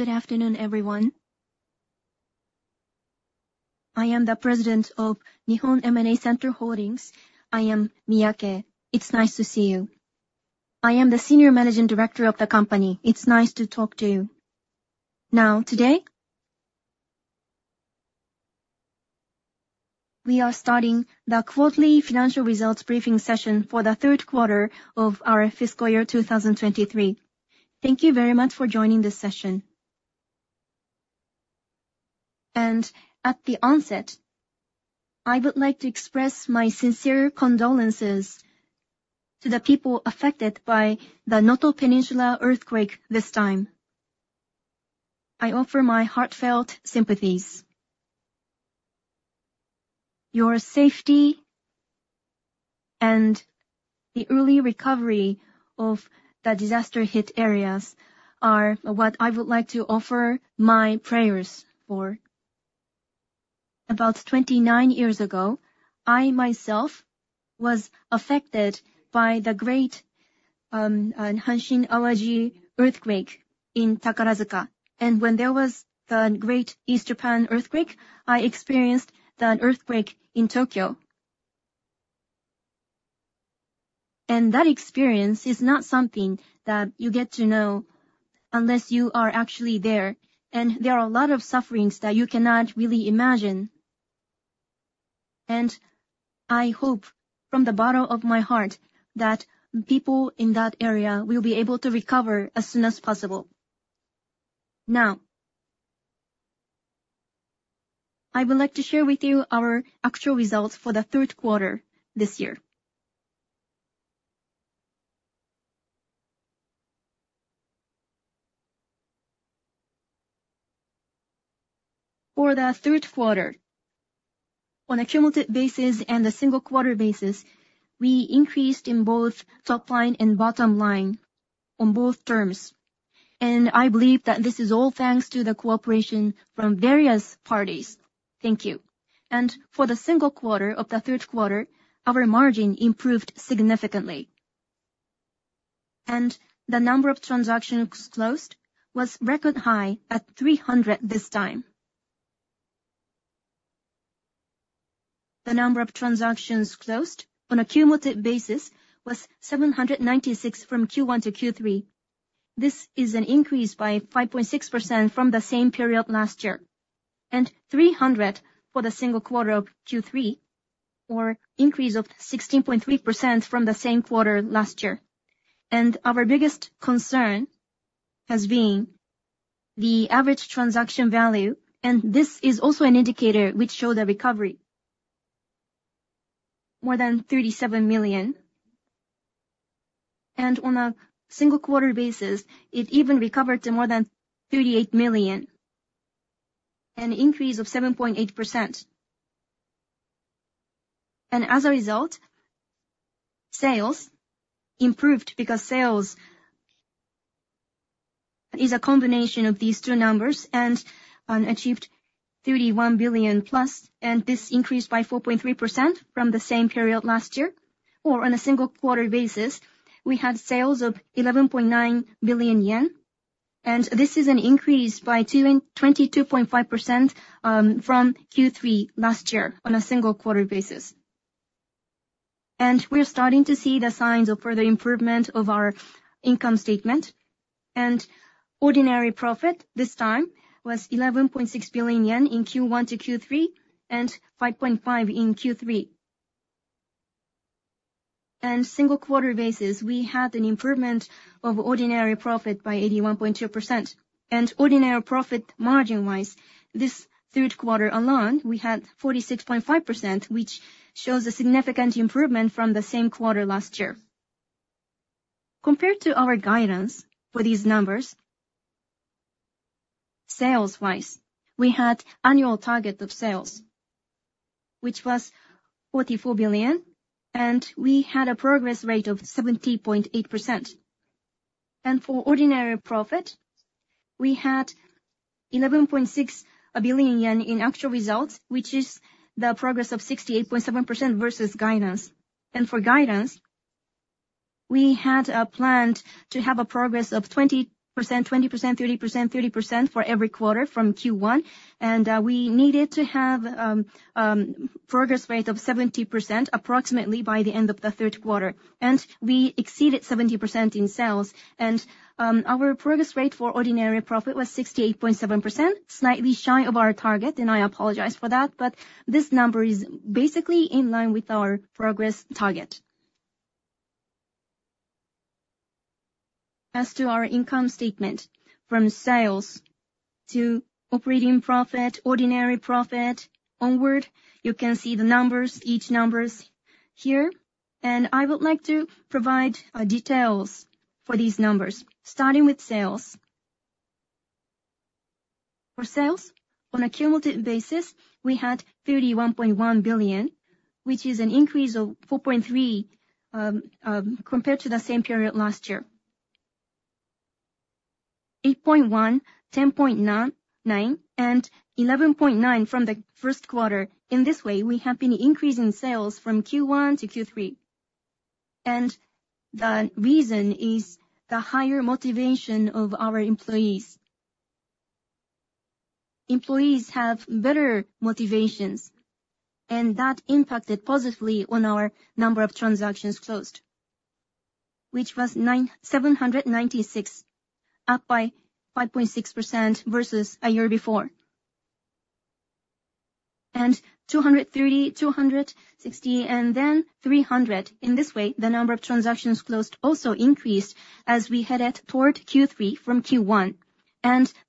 Good afternoon, everyone. I am the President of Nihon M&A Center Holdings. I am Miyake. It's nice to see you. I am the Senior Managing Director of the company. It's nice to talk to you. Now, today, we are starting the quarterly financial results briefing session for the third quarter of our fiscal year, 2023. Thank you very much for joining this session. At the onset, I would like to express my sincere condolences to the people affected by the Noto Peninsula earthquake this time. I offer my heartfelt sympathies. Your safety and the early recovery of the disaster hit areas are what I would like to offer my prayers for. About 29 years ago, I myself was affected by the Great Hanshin-Awaji Earthquake in Takarazuka, and when there was the Great East Japan Earthquake, I experienced the earthquake in Tokyo. That experience is not something that you get to know unless you are actually there, and there are a lot of sufferings that you cannot really imagine. I hope from the bottom of my heart, that people in that area will be able to recover as soon as possible. Now, I would like to share with you our actual results for the third quarter this year. For the third quarter, on a cumulative basis and a single quarter basis, we increased in both top line and bottom line on both terms, and I believe that this is all thanks to the cooperation from various parties. Thank you. For the single quarter of the third quarter, our margin improved significantly, and the number of transactions closed was record high at 300 this time. The number of transactions closed on a cumulative basis was 796 from Q1 to Q3. This is an increase by 5.6% from the same period last year, and 300 for the single quarter of Q3, or increase of 16.3% from the same quarter last year. Our biggest concern has been the average transaction value, and this is also an indicator which show the recovery, more than 37 million. On a single quarter basis, it even recovered to more than 38 million, an increase of 7.8%. As a result, sales improved because sales is a combination of these two numbers and achieved 31 billion+, and this increased by 4.3% from the same period last year, or on a single quarter basis, we had sales of 11.9 billion yen, and this is an increase by 22.5% from Q3 last year on a single quarter basis. We are starting to see the signs of further improvement of our income statement, and ordinary profit this time was 11.6 billion yen in Q1 to Q3, and 5.5 billion in Q3. And single quarter basis, we had an improvement of ordinary profit by 81.2%. And ordinary profit margin-wise, this third quarter alone, we had 46.5%, which shows a significant improvement from the same quarter last year. Compared to our guidance for these numbers, sales-wise, we had annual target of sales, which was 44 billion, and we had a progress rate of 70.8%. And for ordinary profit, we had 11.6 billion yen in actual results, which is the progress of 68.7% versus guidance. And for guidance, we had planned to have a progress of 20%, 20%, 30%, 30% for every quarter from Q1, and we needed to have progress rate of 70% approximately by the end of the third quarter. And we exceeded 70% in sales, and our progress rate for ordinary profit was 68.7%, slightly shy of our target, and I apologize for that, but this number is basically in line with our progress target. As to our income statement, from sales to operating profit, ordinary profit onward, you can see the numbers, each numbers here, and I would like to provide details for these numbers starting with sales. For sales, on a cumulative basis, we had 31.1 billion, which is an increase of 4.3 billion compared to the same period last year. 8.1, 10.9, and 11.9 from the first quarter. In this way, we have been increasing sales from Q1 to Q3. The reason is the higher motivation of our employees. Employees have better motivations, and that impacted positively on our number of transactions closed, which was 797, up by 5.6% versus a year before. And 230, 260, and then 300. In this way, the number of transactions closed also increased as we headed toward Q3 from Q1.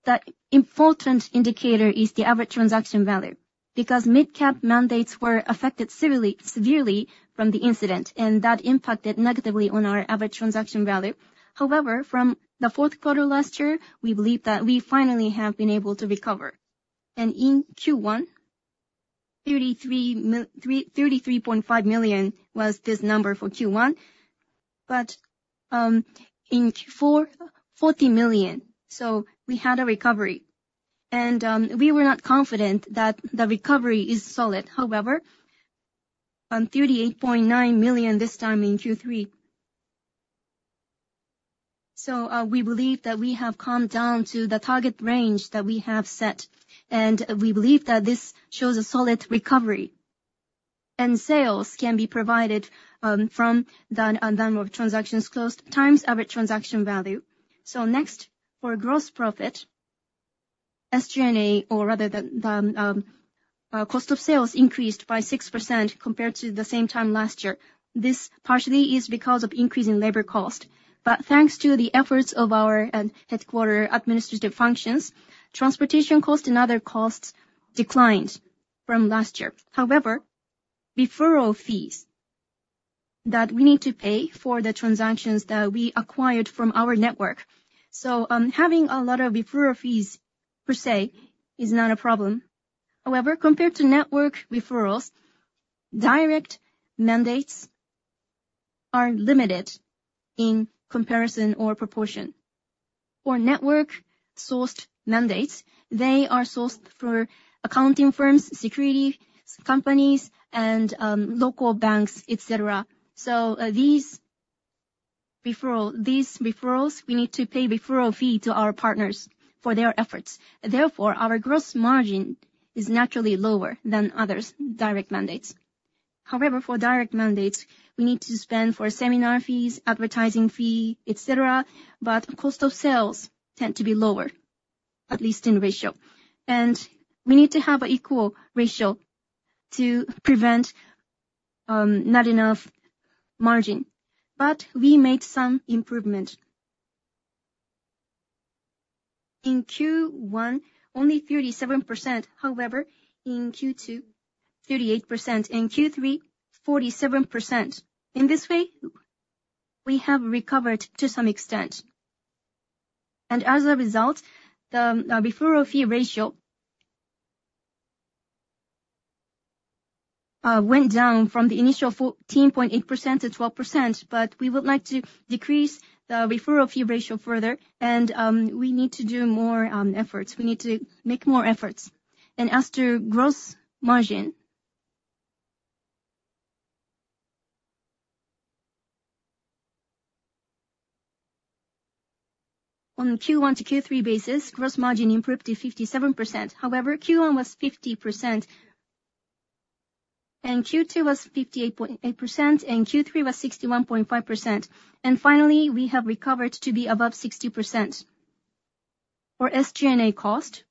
The important indicator is the average transaction value, because mid-cap mandates were affected severely from the incident, and that impacted negatively on our average transaction value. However, from the fourth quarter last year, we believe that we finally have been able to recover. And in Q1, 33.5 million was this number for Q1. But in Q4, 40 million. So we had a recovery, and we were not confident that the recovery is solid. However, on 38.9 million, this time in Q3. We believe that we have come down to the target range that we have set, and we believe that this shows a solid recovery, and sales can be provided from the number of transactions closed times average transaction value. So next, for gross profit, SG&A or rather the cost of sales increased by 6% compared to the same time last year. This partially is because of increase in labor cost, but thanks to the efforts of our headquarters administrative functions, transportation cost and other costs declined from last year. However, referral fees that we need to pay for the transactions that we acquired from our network, so having a lot of referral fees, per se, is not a problem. However, compared to network referrals, direct mandates are limited in comparison or proportion. For network-sourced mandates, they are sourced through accounting firms, securities companies, and local banks, et cetera. So, these referrals, we need to pay referral fee to our partners for their efforts. Therefore, our gross margin is naturally lower than others' direct mandates. However, for direct mandates, we need to spend for seminar fees, advertising fee, et cetera, but cost of sales tend to be lower, at least in ratio. We need to have an equal ratio to prevent not enough margin. But we made some improvement. In Q1, only 37%. However, in Q2, 38%. In Q3, 47%. In this way, we have recovered to some extent. As a result, the referral fee ratio went down from the initial 14.8%-12%, but we would like to decrease the referral fee ratio further, and we need to do more efforts. We need to make more efforts. As to gross margin, on Q1 to Q3 basis, gross margin improved to 57%. However, Q1 was 50%, and Q2 was 58.8%, and Q3 was 61.5%. Finally, we have recovered to be above 60%. For SG&A cost,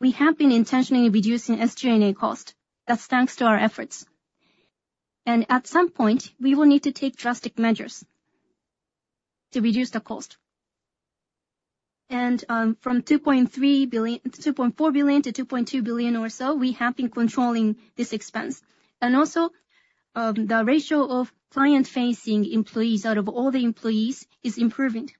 we have been intentionally reducing SG&A cost. That's thanks to our efforts. At some point, we will need to take drastic measures to reduce the cost. From 2.3 billion-2.4 billion to 2.2 billion or so, we have been controlling this expense. Also, the ratio of client-facing employees out of all the employees is improving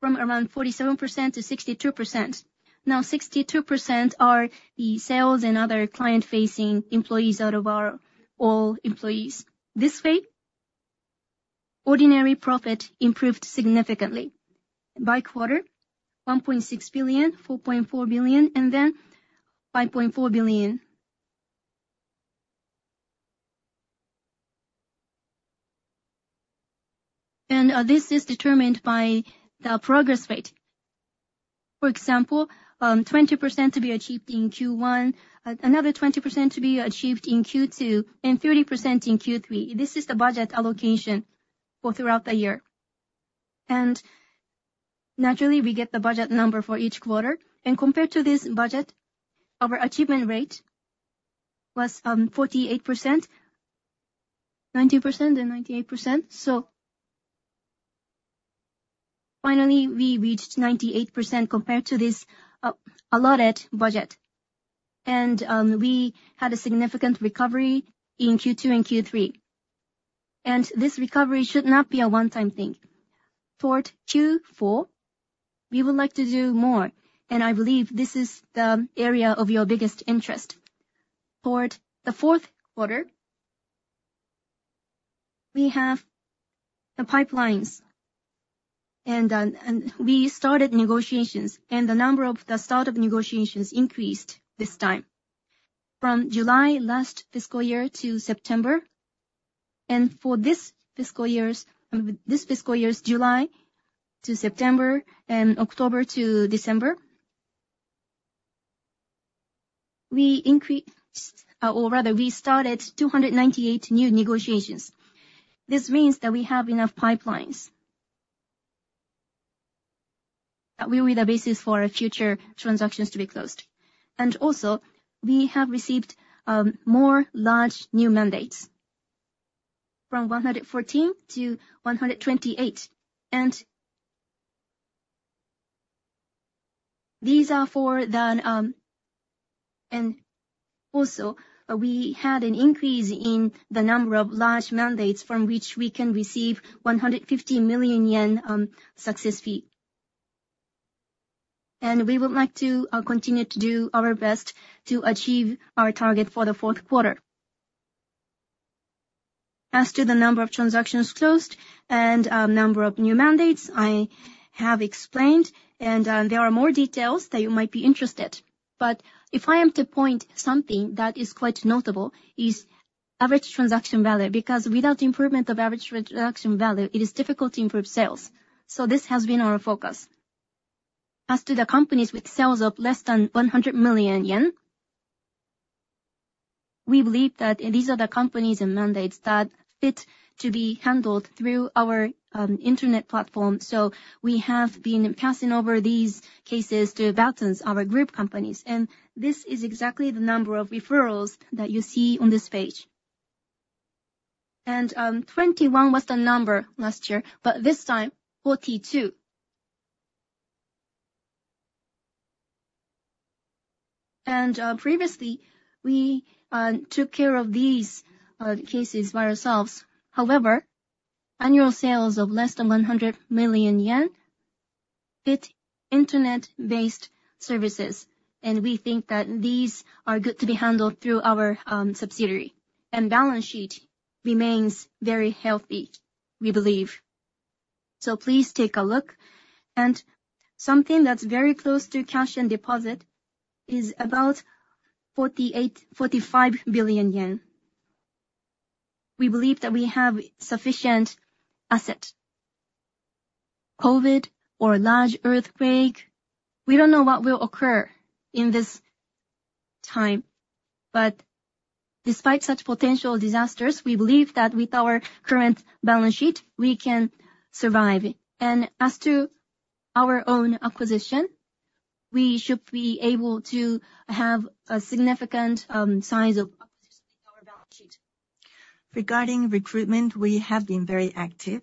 from around 47%-62%. Now 62% are the sales and other client-facing employees out of our all employees. This way, ordinary profit improved significantly by quarter, 1.6 billion, 4.4 billion, and then 5.4 billion. This is determined by the progress rate. For example, 20% to be achieved in Q1, another 20% to be achieved in Q2, and 30% in Q3. This is the budget allocation for throughout the year. Naturally, we get the budget number for each quarter, and compared to this budget, our achievement rate was 48%, 90%, and 98%. So finally, we reached 98% compared to this allotted budget. And, we had a significant recovery in Q2 and Q3, and this recovery should not be a one-time thing. Toward Q4, we would like to do more, and I believe this is the area of your biggest interest. Toward the fourth quarter, we have the pipelines. And, and we started negotiations, and the number of the start of negotiations increased this time. From July last fiscal year to September, and for this fiscal years, I mean, this fiscal year's July to September and October to December, we increased, or rather we started 298 new negotiations. This means that we have enough pipelines that will be the basis for our future transactions to be closed. And also, we have received, more large new mandates, from 114 to 128. And these are for the, Also, we had an increase in the number of large mandates from which we can receive 150 million yen success fee. We would like to continue to do our best to achieve our target for the fourth quarter. As to the number of transactions closed and number of new mandates, I have explained, and there are more details that you might be interested. If I am to point something that is quite notable, is average transaction value, because without improvement of average transaction value, it is difficult to improve sales. This has been our focus. As to the companies with sales of less than 100 million yen, we believe that these are the companies and mandates that fit to be handled through our internet platform, so we have been passing over these cases to Batonz, our group companies. This is exactly the number of referrals that you see on this page. 21 was the number last year, but this time, 42. Previously, we took care of these cases by ourselves. However, annual sales of less than 100 million yen fit internet-based services, and we think that these are good to be handled through our subsidiary. And balance sheet remains very healthy, we believe. So please take a look. And something that's very close to cash and deposit is about 48.45 billion yen. We believe that we have sufficient asset. COVID or large earthquake, we don't know what will occur in this time, but despite such potential disasters, we believe that with our current balance sheet, we can survive it. As to our own acquisition, we should be able to have a significant size of acquisition in our balance sheet. Regarding recruitment, we have been very active,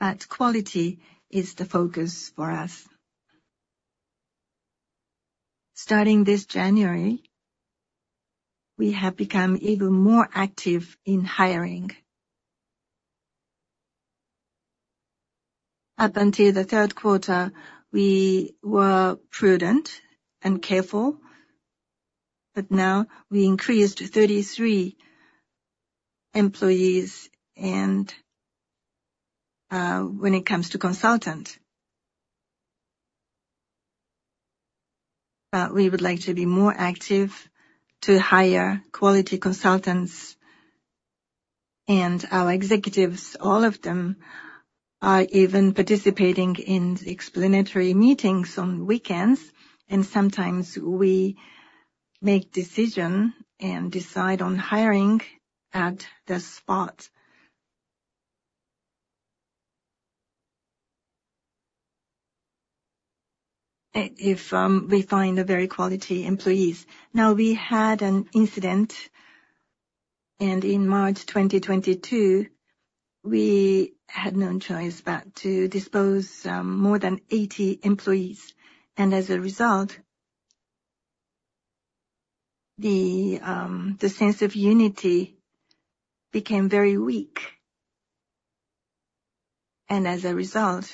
but quality is the focus for us. Starting this January, we have become even more active in hiring. Up until the third quarter, we were prudent and careful, but now we increased to 33 employees and, when it comes to consultant, we would like to be more active to hire quality consultants. Our executives, all of them, are even participating in explanatory meetings on weekends, and sometimes we make decision and decide on hiring at the spot, if we find a very quality employees. Now, we had an incident, and in March 2022, we had no choice but to dispose more than 80 employees, and as a result, the sense of unity became very weak. As a result,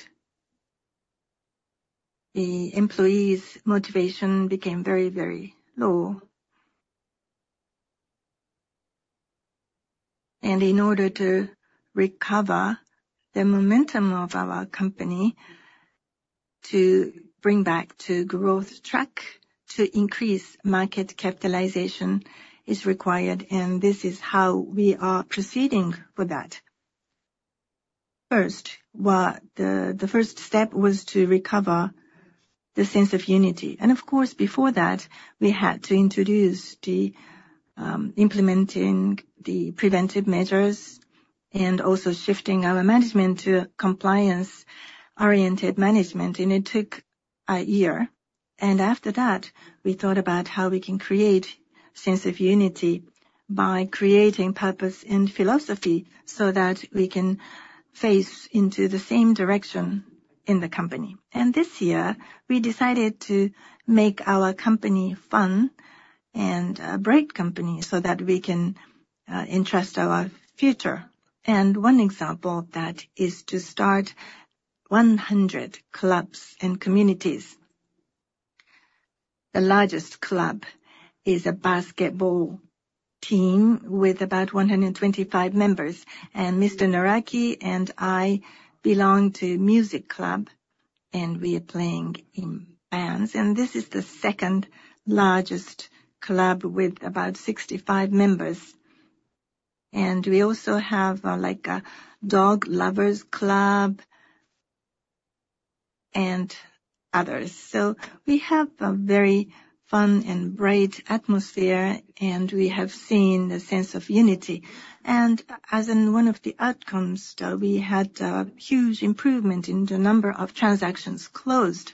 the employees' motivation became very, very low. In order to recover the momentum of our company, to bring back to growth track, to increase market capitalization is required, and this is how we are proceeding with that. First, the first step was to recover the sense of unity. And of course, before that, we had to introduce the implementing the preventive measures and also shifting our management to compliance-oriented management, and it took a year. And after that, we thought about how we can create sense of unity by creating purpose and philosophy so that we can face into the same direction in the company. And this year, we decided to make our company fun and a great company so that we can entrust our future. One example of that is to start 100 clubs and communities. The largest club is a basketball team with about 125 members, and Mr. Naraki and I belong to music club, and we are playing in bands. And this is the second largest club with about 65 members. And we also have, like, a dog lovers club and others. So we have a very fun and bright atmosphere, and we have seen a sense of unity. And as in one of the outcomes, we had a huge improvement in the number of transactions closed.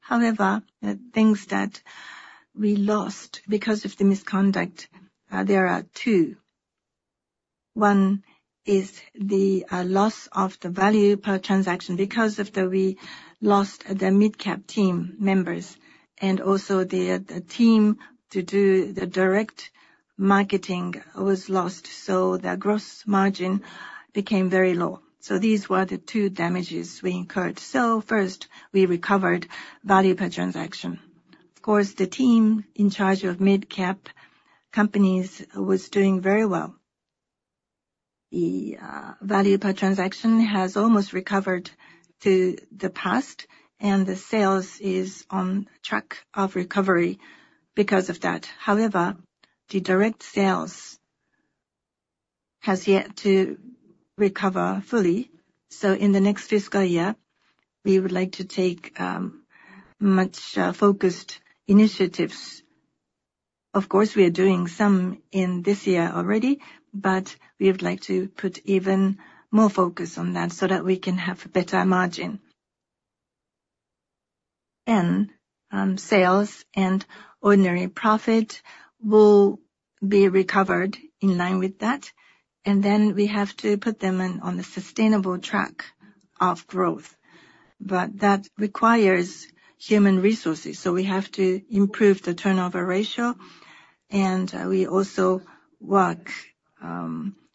However, the things that we lost because of the misconduct, there are two. One is the loss of the value per transaction because after we lost the mid-cap team members and also the team to do the direct marketing was lost, so the gross margin became very low. These were the two damages we incurred. First, we recovered value per transaction. Of course, the team in charge of mid-cap companies was doing very well. The value per transaction has almost recovered to the past, and the sales is on track of recovery because of that. However, the direct sales has yet to recover fully, so in the next fiscal year, we would like to take much focused initiatives. Of course, we are doing some in this year already, but we would like to put even more focus on that so that we can have a better margin. Then, sales and ordinary profit will be recovered in line with that, and then we have to put them on a sustainable track of growth. But that requires human resources, so we have to improve the turnover ratio, and we also work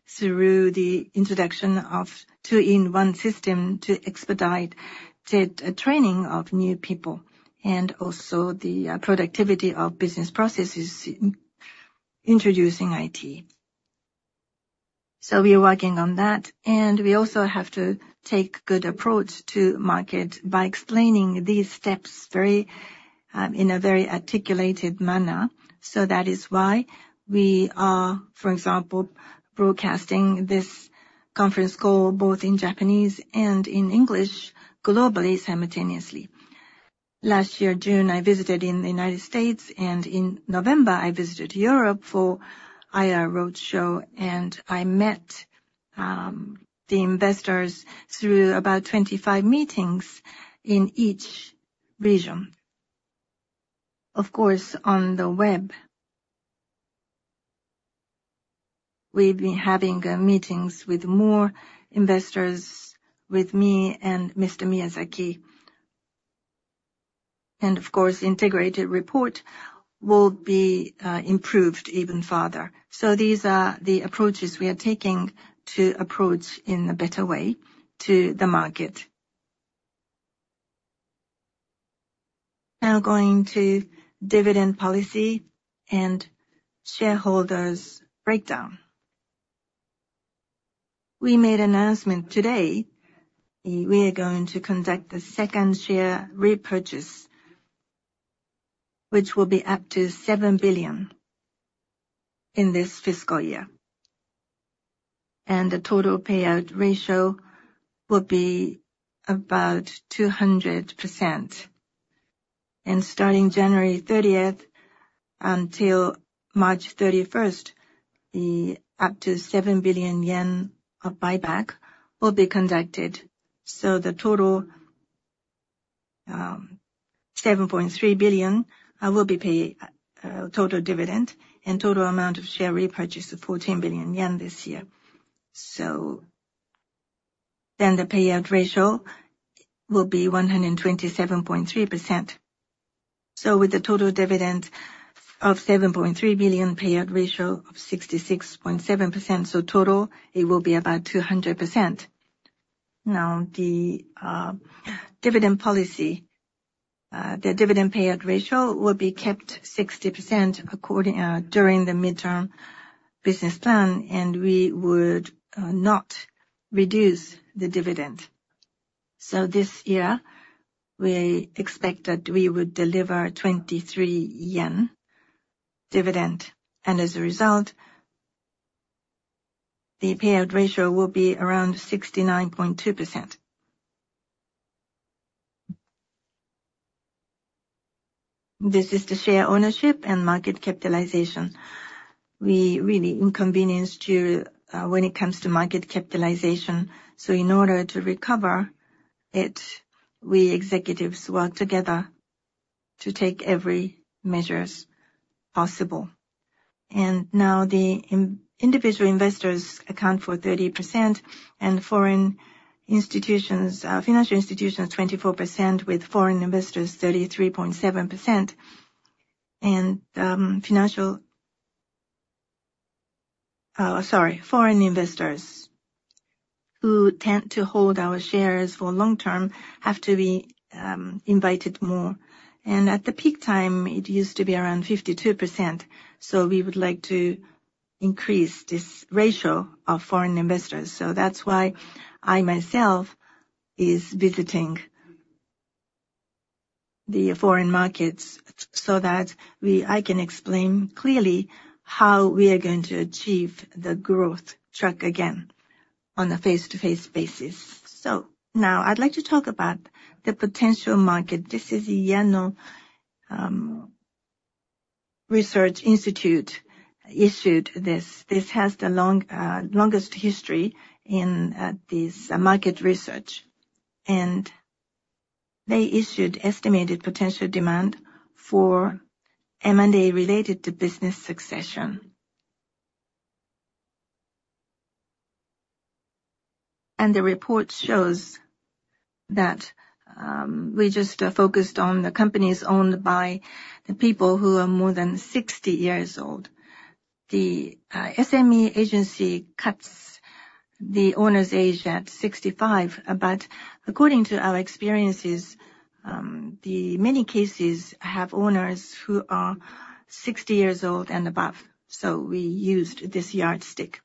through the introduction of Two-in-One System to expedite the training of new people, and also the productivity of business processes, introducing IT. So we are working on that, and we also have to take good approach to market by explaining these steps very in a very articulated manner. So that is why we are, for example, broadcasting this conference call, both in Japanese and in English, globally, simultaneously. Last year, June, I visited in the United States, and in November, I visited Europe for IR road show, and I met the investors through about 25 meetings in each region. Of course, on the web, we've been having meetings with more investors, with me and Mr. Miyazaki. And of course, integrated report will be improved even further. So these are the approaches we are taking to approach in a better way to the market. Now going to dividend policy and shareholders breakdown. We made announcement today, we are going to conduct the second share repurchase, which will be up to 7 billion in this fiscal year, and the total payout ratio will be about 200%. And starting January thirtieth until March thirty-first, the up to 7 billion yen of buyback will be conducted. So the total seven point three billion will be paid total dividend, and total amount of share repurchase of 14 billion yen this year. So then the payout ratio will be 127.3%. So with the total dividend of 7.3 billion, payout ratio of 66.7%, so total, it will be about 200%. Now, the dividend policy, the dividend payout ratio will be kept 60% according during the midterm business plan, and we would not reduce the dividend. So this year, we expect that we would deliver 23 yen dividend, and as a result, the payout ratio will be around 69.2%. This is the share ownership and market capitalization. We really inconvenienced you when it comes to market capitalization, so in order to recover it, we executives work together to take every measures possible. And now, the individual investors account for 30% and foreign institutions, financial institutions, 24%, with foreign investors, 33.7%. And, financial-... Sorry, foreign investors who tend to hold our shares for long term have to be invited more. And at the peak time, it used to be around 52%, so we would like to increase this ratio of foreign investors. So that's why I, myself, is visiting the foreign markets, so that I can explain clearly how we are going to achieve the growth track again on a face-to-face basis. So now I'd like to talk about the potential market. This is the Yano Research Institute issued this. This has the longest history in this market research, and they issued estimated potential demand for M&A related to business succession. And the report shows that we just focused on the companies owned by the people who are more than 60 years old. The SME Agency cuts the owner's age at 65, but according to our experiences, the many cases have owners who are 60 years old and above, so we used this yardstick.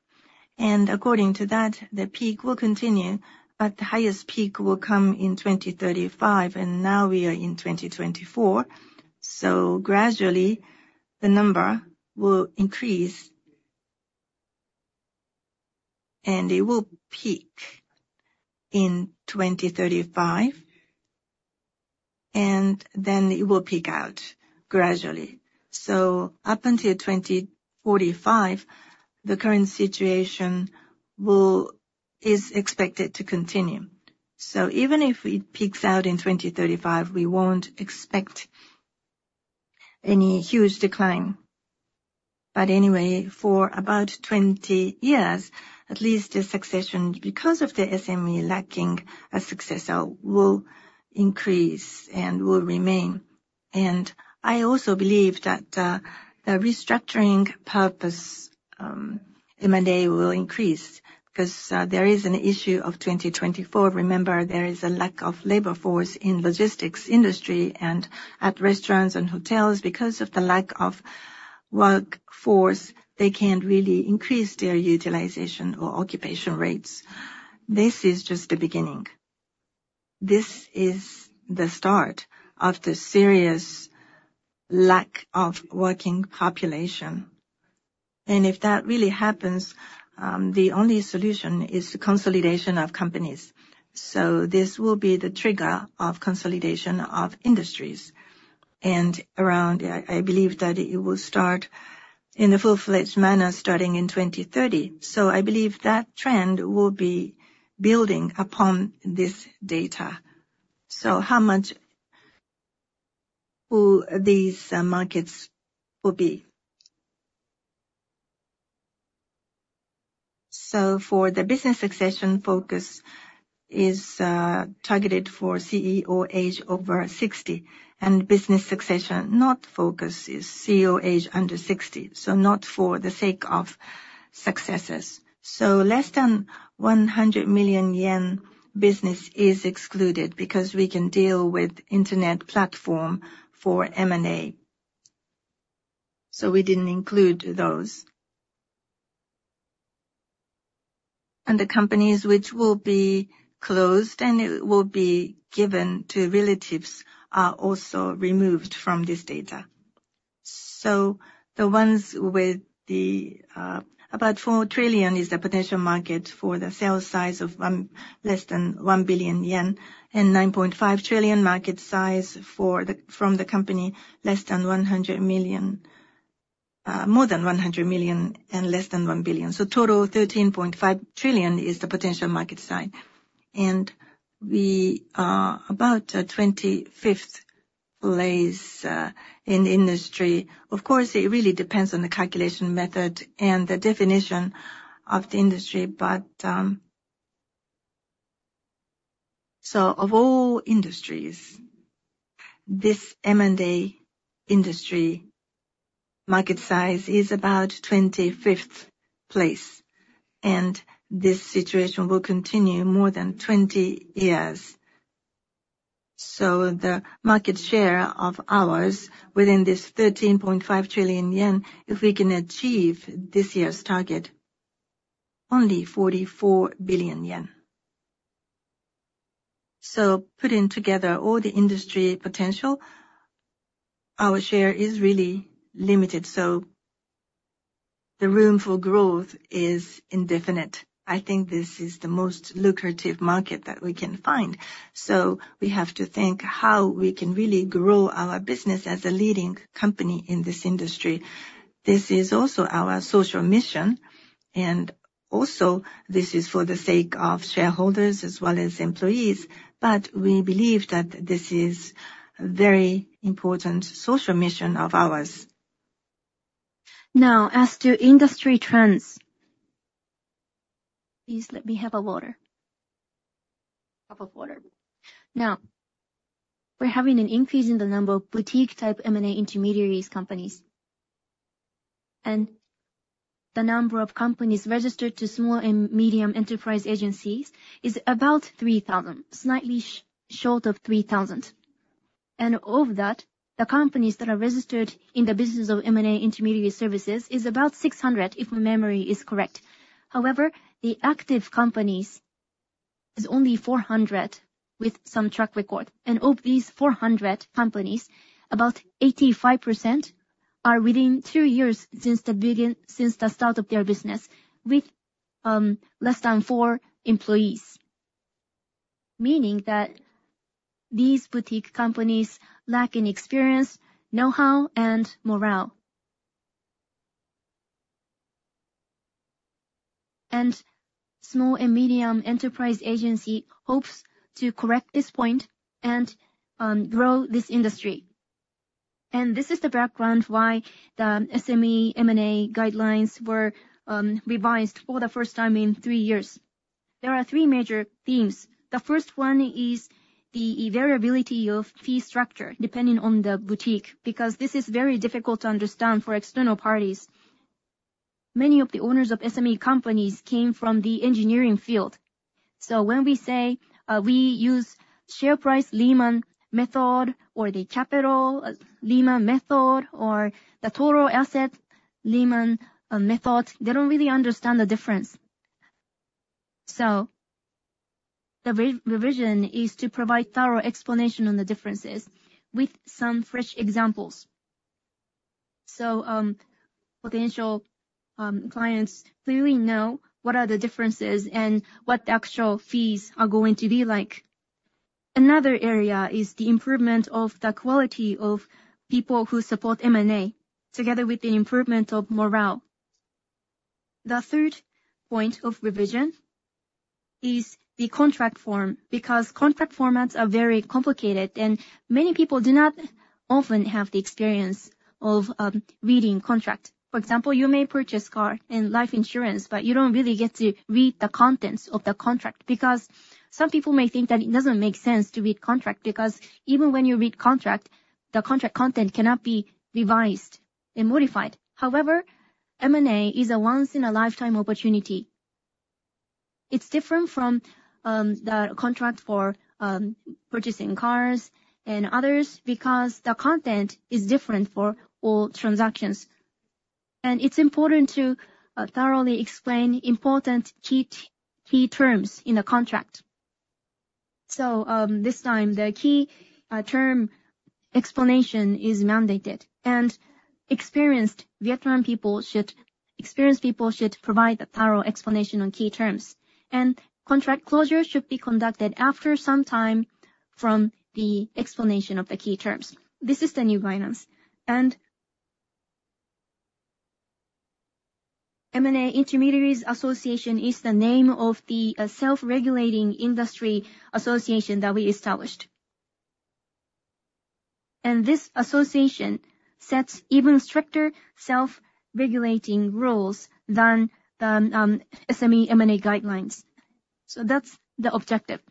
And according to that, the peak will continue, but the highest peak will come in 2035, and now we are in 2024. So gradually, the number will increase and it will peak in 2035, and then it will peak out gradually. So up until 2045, the current situation is expected to continue. So even if it peaks out in 2035, we won't expect any huge decline. But anyway, for about 20 years, at least, the succession, because of the SME lacking a successor, will increase and will remain. And I also believe that the restructuring purpose M&A will increase, because there is an issue of 2024. Remember, there is a lack of labor force in logistics industry and at restaurants and hotels. Because of the lack of workforce, they can't really increase their utilization or occupation rates. This is just the beginning. This is the start of the serious lack of working population, and if that really happens, the only solution is the consolidation of companies. So this will be the trigger of consolidation of industries. And around, I, I believe that it will start in a full-fledged manner starting in 2030. So I believe that trend will be building upon this data. So how much will these markets will be? So for the business succession focus is targeted for CEO age over 60, and business succession not focus is CEO age under 60, so not for the sake of successors. Less than 100 million yen business is excluded, because we can deal with internet platform for M&A, so we didn't include those. And the companies which will be closed and it will be given to relatives are also removed from this data. So the ones with the, about 4 trillion is the potential market for the sales size of less than 1 billion yen, and 9.5 trillion market size for the—from the company, more than 100 million and less than 1 billion. So total, 13.5 trillion is the potential market size. And we are about, 25th place, in the industry. Of course, it really depends on the calculation method and the definition of the industry, but... So of all industries, this M&A industry market size is about 25th place, and this situation will continue more than 20 years. So the market share of ours within this 13.5 trillion yen, if we can achieve this year's target, only 44 billion yen. So putting together all the industry potential, our share is really limited, so the room for growth is indefinite. I think this is the most lucrative market that we can find. So we have to think how we can really grow our business as a leading company in this industry. This is also our social mission, and also, this is for the sake of shareholders as well as employees. But we believe that this is a very important social mission of ours. Now, as to industry trends... Please, let me have a water.... Cup of water. Now, we're having an increase in the number of boutique-type M&A intermediaries companies, and the number of companies registered to Small and Medium Enterprise Agency is about 3,000, slightly short of 3,000. And of that, the companies that are registered in the business of M&A intermediary services is about 600, if my memory is correct. However, the active companies is only 400, with some track record. And of these 400 companies, about 85% are within two years since the start of their business, with less than four employees, meaning that these boutique companies lack in experience, know-how, and morale. And Small and Medium Enterprise Agency hopes to correct this point and grow this industry. And this is the background why the SME M&A Guidelines were revised for the first time in three years. There are three major themes. The first one is the variability of fee structure, depending on the boutique, because this is very difficult to understand for external parties. Many of the owners of SME companies came from the engineering field. So when we say, we use share price Lehman method or the capital Lehman method or the total asset Lehman method, they don't really understand the difference. So the revision is to provide thorough explanation on the differences with some fresh examples. So, potential clients clearly know what are the differences and what the actual fees are going to be like. Another area is the improvement of the quality of people who support M&A, together with the improvement of morale. The third point of revision is the contract form, because contract formats are very complicated, and many people do not often have the experience of reading contract. For example, you may purchase car and life insurance, but you don't really get to read the contents of the contract, because some people may think that it doesn't make sense to read contract, because even when you read contract, the contract content cannot be revised and modified. However, M&A is a once-in-a-lifetime opportunity. It's different from the contract for purchasing cars and others because the content is different for all transactions, and it's important to thoroughly explain important key terms in the contract. So, this time, the key term explanation is mandated, and experienced people should provide a thorough explanation on key terms, and contract closure should be conducted after some time from the explanation of the key terms. This is the new guidance. M&A Intermediaries Association is the name of the self-regulating industry association that we established. This association sets even stricter self-regulating rules than the SME M&A Guidelines. So that's the objective.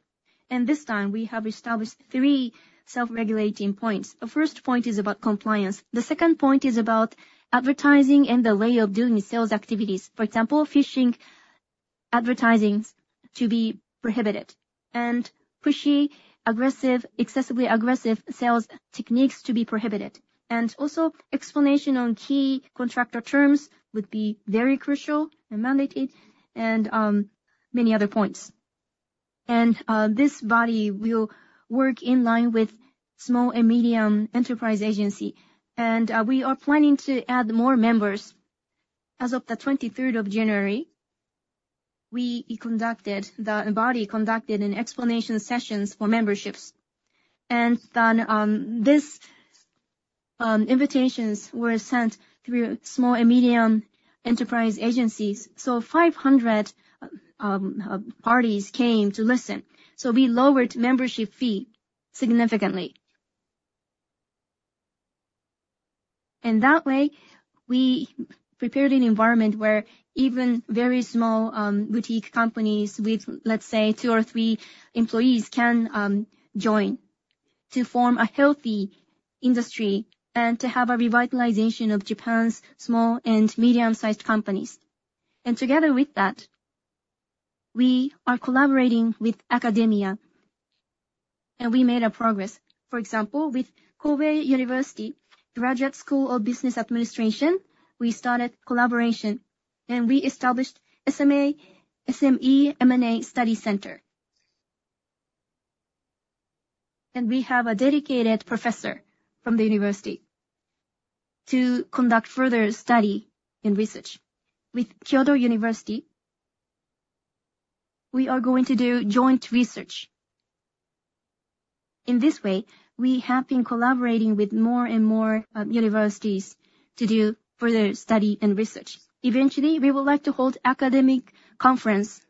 This time, we have established three self-regulating points. The first point is about compliance. The second point is about advertising and the way of doing sales activities. For example, phishing advertisements to be prohibited and pushy, aggressive, excessively aggressive sales techniques to be prohibited. Also, explanation on key contract terms would be very crucial and mandated and many other points. This body will work in line with Small and Medium Enterprise Agency, and we are planning to add more members. As of the twenty-third of January, the body conducted explanation sessions for memberships, and then invitations were sent through Small and Medium Enterprise Agencies. So 500 parties came to listen. So we lowered membership fee significantly. In that way, we prepared an environment where even very small boutique companies with, let's say, two or three employees, can join to form a healthy industry and to have a revitalization of Japan's small and medium-sized companies. Together with that, we are collaborating with academia, and we made a progress. For example, with Kobe University Graduate School of Business Administration, we started collaboration, and we established SME M&A Study Center. We have a dedicated professor from the university to conduct further study and research. With Kyoto University, we are going to do joint research. In this way, we have been collaborating with more and more universities to do further study and research. Eventually, we would like to hold academic conference.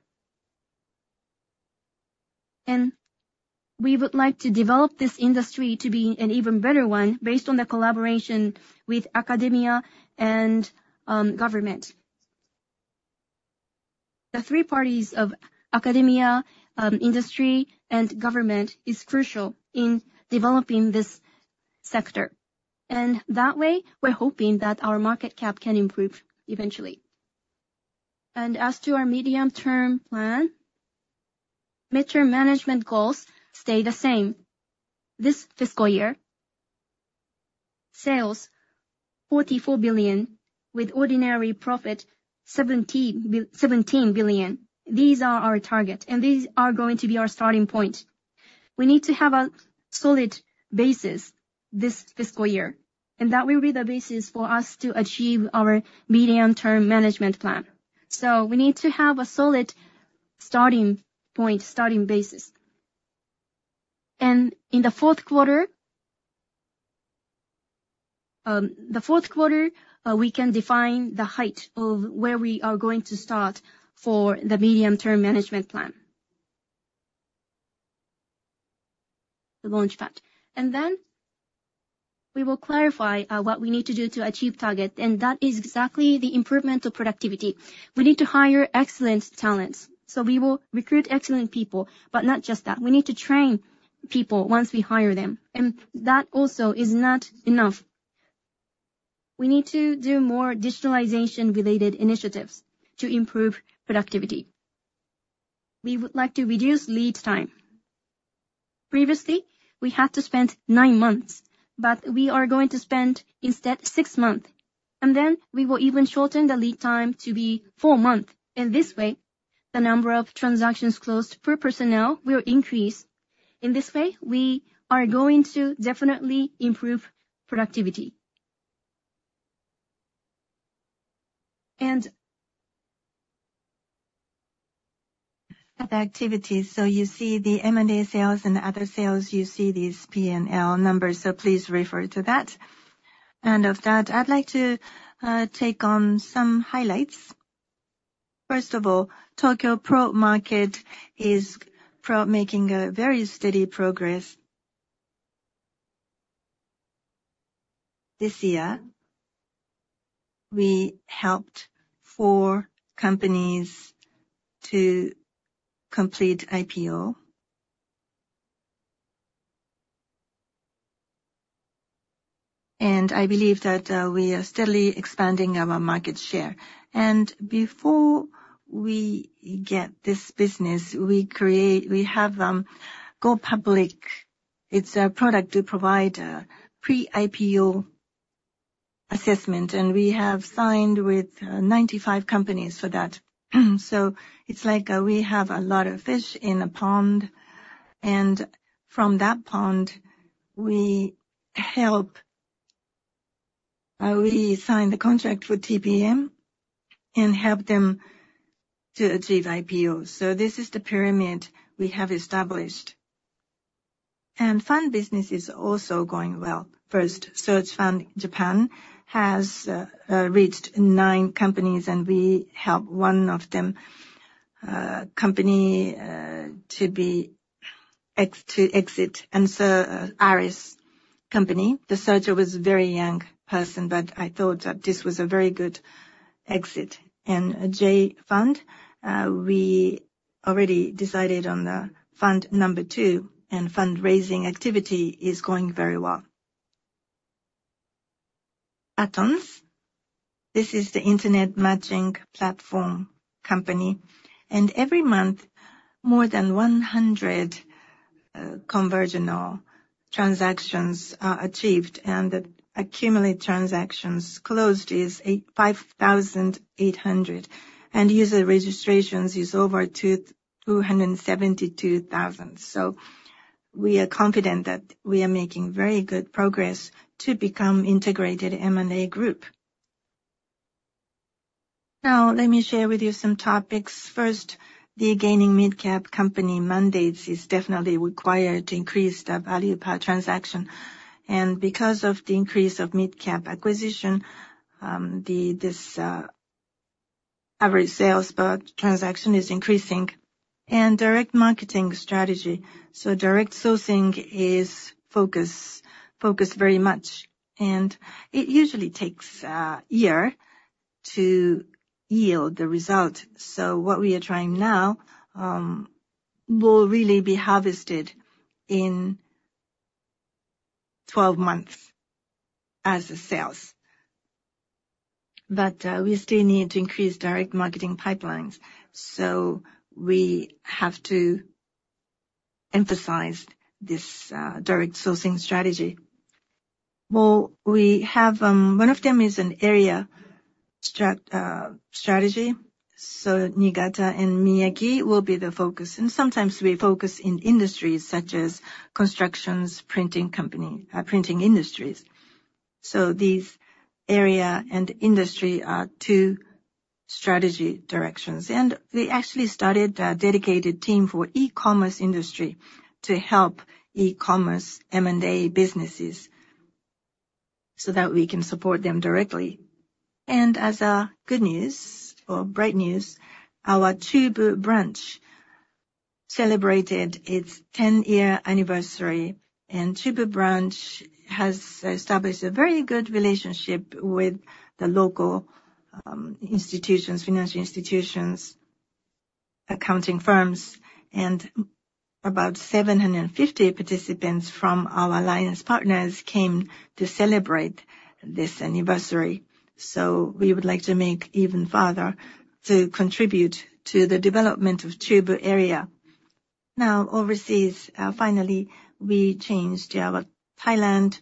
We would like to develop this industry to be an even better one based on the collaboration with academia and government. The three parties of academia, industry, and government is crucial in developing this sector. That way, we're hoping that our market cap can improve eventually. As to our medium-term plan, mid-term management goals stay the same. This fiscal year, sales 44 billion, with ordinary profit 17 billion. These are our target, and these are going to be our starting point. We need to have a solid basis this fiscal year, and that will be the basis for us to achieve our medium-term management plan. So we need to have a solid starting point, starting basis. And in the fourth quarter, the fourth quarter, we can define the height of where we are going to start for the medium-term management plan. The launch pad. And then we will clarify what we need to do to achieve target, and that is exactly the improvement of productivity. We need to hire excellent talents, so we will recruit excellent people. But not just that, we need to train people once we hire them, and that also is not enough. We need to do more digitalization-related initiatives to improve productivity. We would like to reduce lead time. Previously, we had to spend nine months, but we are going to spend instead six months, and then we will even shorten the lead time to be four months. In this way, the number of transactions closed per personnel will increase. In this way, we are going to definitely improve productivity. And- Other activities, so you see the M&A sales and other sales, you see these PNL numbers, so please refer to that. Of that, I'd like to take on some highlights. First of all, Tokyo Pro Market is making very steady progress. This year, we helped four companies to complete IPO. I believe that we are steadily expanding our market share. Before we get this business, we have Go Public. It's a product to provide pre-IPO assessment, and we have signed with 95 companies for that. So it's like we have a lot of fish in a pond, and from that pond, we help we sign the contract with TPM and help them to achieve IPO. So this is the pyramid we have established. Fund business is also going well. First, Search Fund Japan has reached nine companies, and we help one of them, company, to exit. And so, Aries company, the searcher was a very young person, but I thought that this was a very good exit. And the J Fund, we already decided on the fund number two, and fundraising activity is going very well. Batonz, this is the internet matching platform company, and every month, more than 100 conversational transactions are achieved, and the accumulated transactions closed is 85,800, and user registrations is over 272,000. So we are confident that we are making very good progress to become integrated M&A group. Now, let me share with you some topics. First, the gaining mid-cap company mandates is definitely required to increase the value per transaction. And because of the increase of mid-cap acquisition, the this average sales per transaction is increasing. And direct marketing strategy, so direct sourcing is focus very much, and it usually takes a year to yield the result. So what we are trying now will really be harvested in 12 months as a sales. But we still need to increase direct marketing pipelines, so we have to emphasize this direct sourcing strategy. Well, we have one of them is an area strategy, so Niigata and Miyagi will be the focus. And sometimes we focus in industries such as constructions, printing company, printing industries. So these area and industry are two strategy directions. And we actually started a dedicated team for e-commerce industry to help e-commerce M&A businesses so that we can support them directly. And as a good news or bright news, our Chubu branch celebrated its 10-year anniversary, and Chubu Branch has established a very good relationship with the local, institutions, financial institutions, accounting firms, and about 750 participants from our alliance partners came to celebrate this anniversary. So we would like to make even farther to contribute to the development of Chubu area. Now, overseas, finally, we changed our Thailand,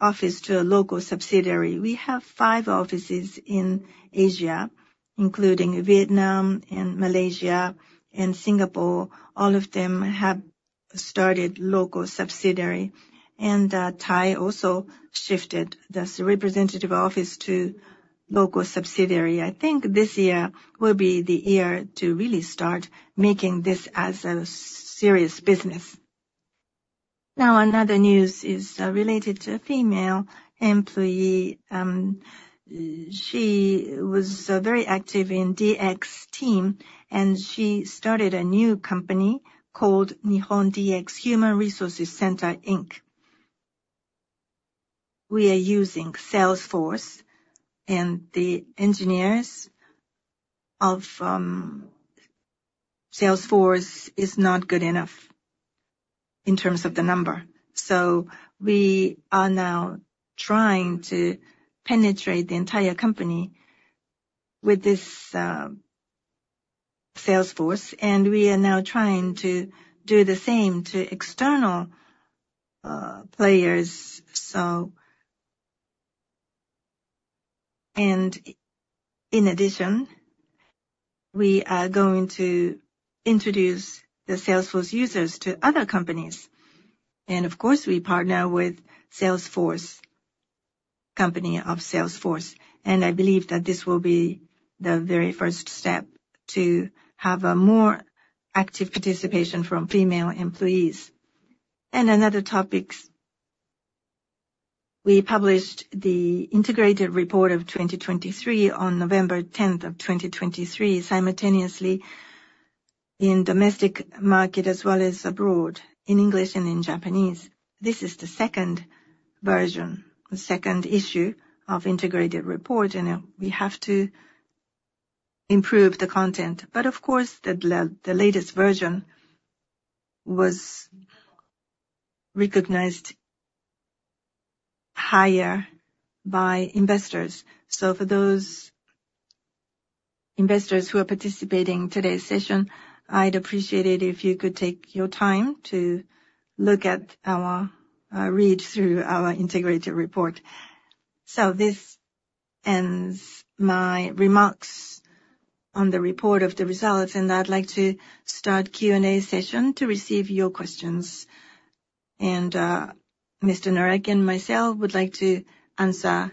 office to a local subsidiary. We have five offices in Asia, including Vietnam and Malaysia and Singapore. All of them have started local subsidiary, and, Thai also shifted the representative office to local subsidiary. I think this year will be the year to really start making this as a serious business. Now, another news is, related to a female employee. She was very active in DX team, and she started a new company called Nihon DX Human Resources Center Inc. We are Salesforce, and the engineers Salesforce is not good enough in terms of the number. We are now trying to penetrate the entire company with Salesforce, and we are now trying to do the same to external players. And in addition, we are going to introduce Salesforce users to other companies, and of course, we partner Salesforce, company Salesforce, and I believe that this will be the very first step to have a more active participation from female employees. And another topics, we published the integrated report of 2023 on November tenth of 2023, simultaneously in domestic market as well as abroad, in English and in Japanese. This is the second version, the second issue of integrated report, and we have to improve the content. But of course, the latest version was recognized higher by investors. So for those investors who are participating in today's session, I'd appreciate it if you could take your time to look at our read through our integrated report. So this ends my remarks on the report of the results, and I'd like to start Q&A session to receive your questions. And Mr. Naraki and myself would like to answer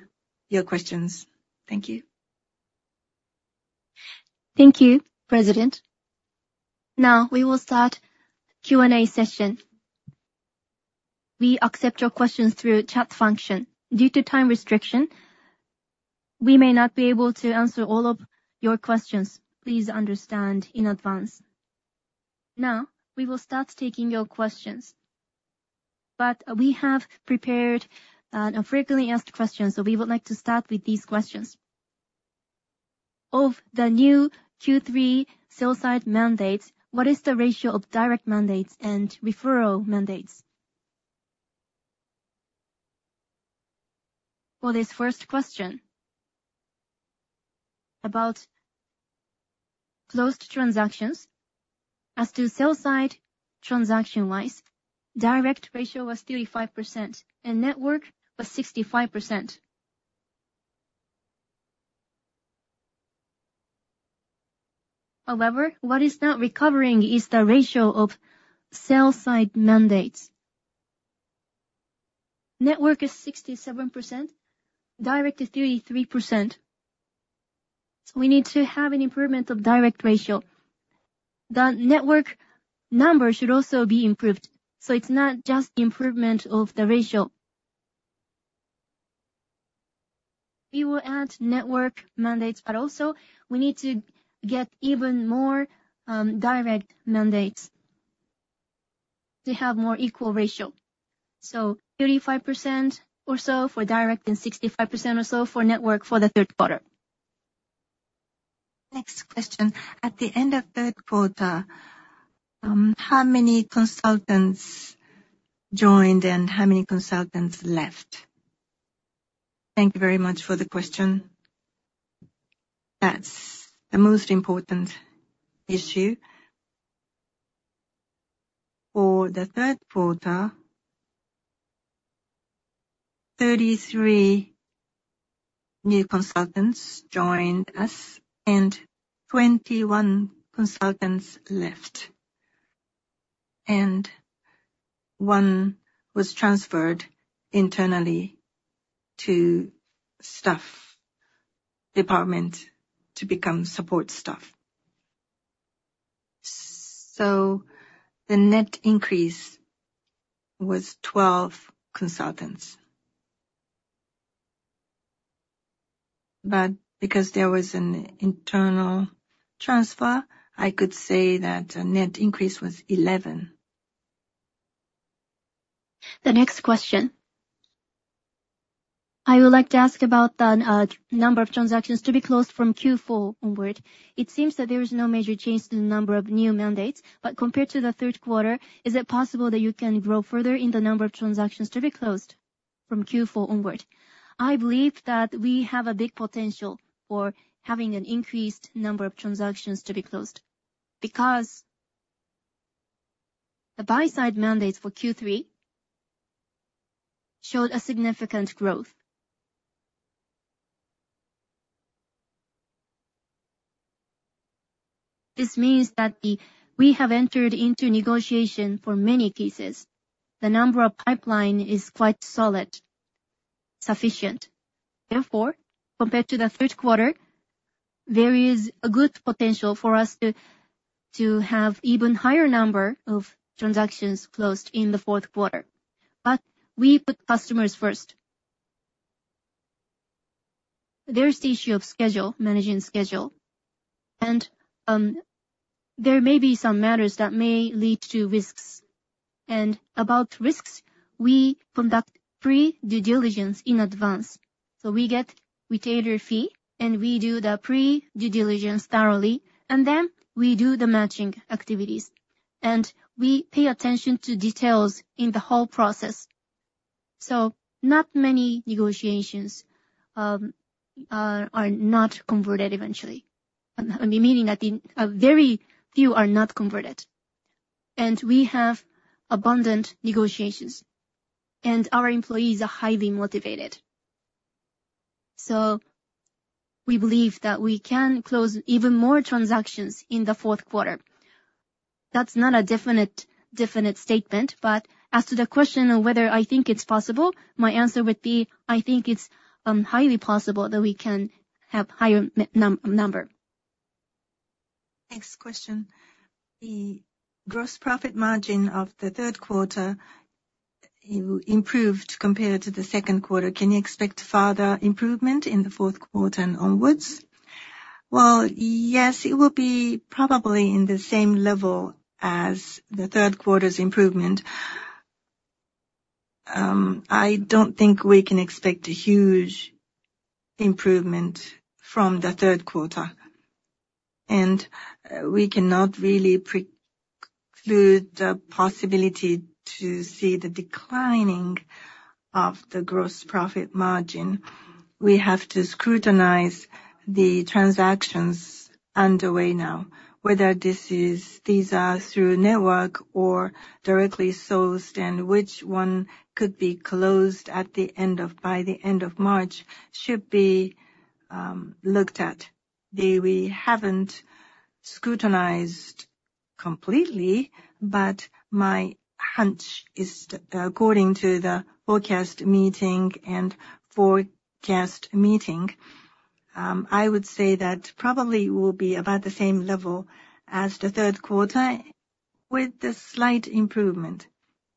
your questions. Thank you. Thank you, President. Now we will start Q&A session. We accept your questions through chat function. Due to time restriction, we may not be able to answer all of your questions. Please understand in advance. Now, we will start taking your questions, but we have prepared frequently asked questions, so we would like to start with these questions. Of the new Q3 sell-side mandates, what is the ratio of direct mandates and referral mandates? For this first question, about closed transactions as to sell side, transaction-wise, direct ratio was 35% and network was 65%. However, what is not recovering is the ratio of sell side mandates. Network is 67%, direct is 33%. We need to have an improvement of direct ratio. The network number should also be improved, so it's not just improvement of the ratio. We will add network mandates, but also we need to get even more, direct mandates to have more equal ratio. So 35% or so for direct and 65% or so for network for the third quarter. Next question: At the end of third quarter, how many consultants joined and how many consultants left? Thank you very much for the question. That's the most important issue. For the third quarter, 33 new consultants joined us and 21 consultants left, and one was transferred internally to staff department to become support staff. So the net increase was 12 consultants. But because there was an internal transfer, I could say that the net increase was 11. The next question. I would like to ask about the number of transactions to be closed from Q4 onward. It seems that there is no major change to the number of new mandates, but compared to the third quarter, is it possible that you can grow further in the number of transactions to be closed from Q4 onward? I believe that we have a big potential for having an increased number of transactions to be closed, because the buy side mandates for Q3 showed a significant growth. This means that we have entered into negotiation for many cases. The number of pipeline is quite solid, sufficient. Therefore, compared to the third quarter, there is a good potential for us to have even higher number of transactions closed in the fourth quarter. But we put customers first. There is the issue of schedule, managing schedule, and there may be some matters that may lead to risks. And about risks, we conduct pre-due diligence in advance. So we get retainer fee, and we do the pre-due diligence thoroughly, and then we do the matching activities, and we pay attention to details in the whole process. So not many negotiations are not converted eventually. Meaning that in a very few are not converted. And we have abundant negotiations, and our employees are highly motivated. So we believe that we can close even more transactions in the fourth quarter. That's not a definite, definite statement, but as to the question of whether I think it's possible, my answer would be, I think it's highly possible that we can have higher number. Next question. The gross profit margin of the third quarter, it improved compared to the second quarter. Can you expect further improvement in the fourth quarter and onwards? Well, yes, it will be probably in the same level as the third quarter's improvement. I don't think we can expect a huge improvement from the third quarter, and we cannot really preclude the possibility to see the declining of the gross profit margin. We have to scrutinize the transactions underway now, whether these are through network or directly sourced, and which one could be closed by the end of March, should be looked at. We haven't scrutinized completely, but my hunch is, according to the forecast meeting, I would say that probably will be about the same level as the third quarter, with a slight improvement.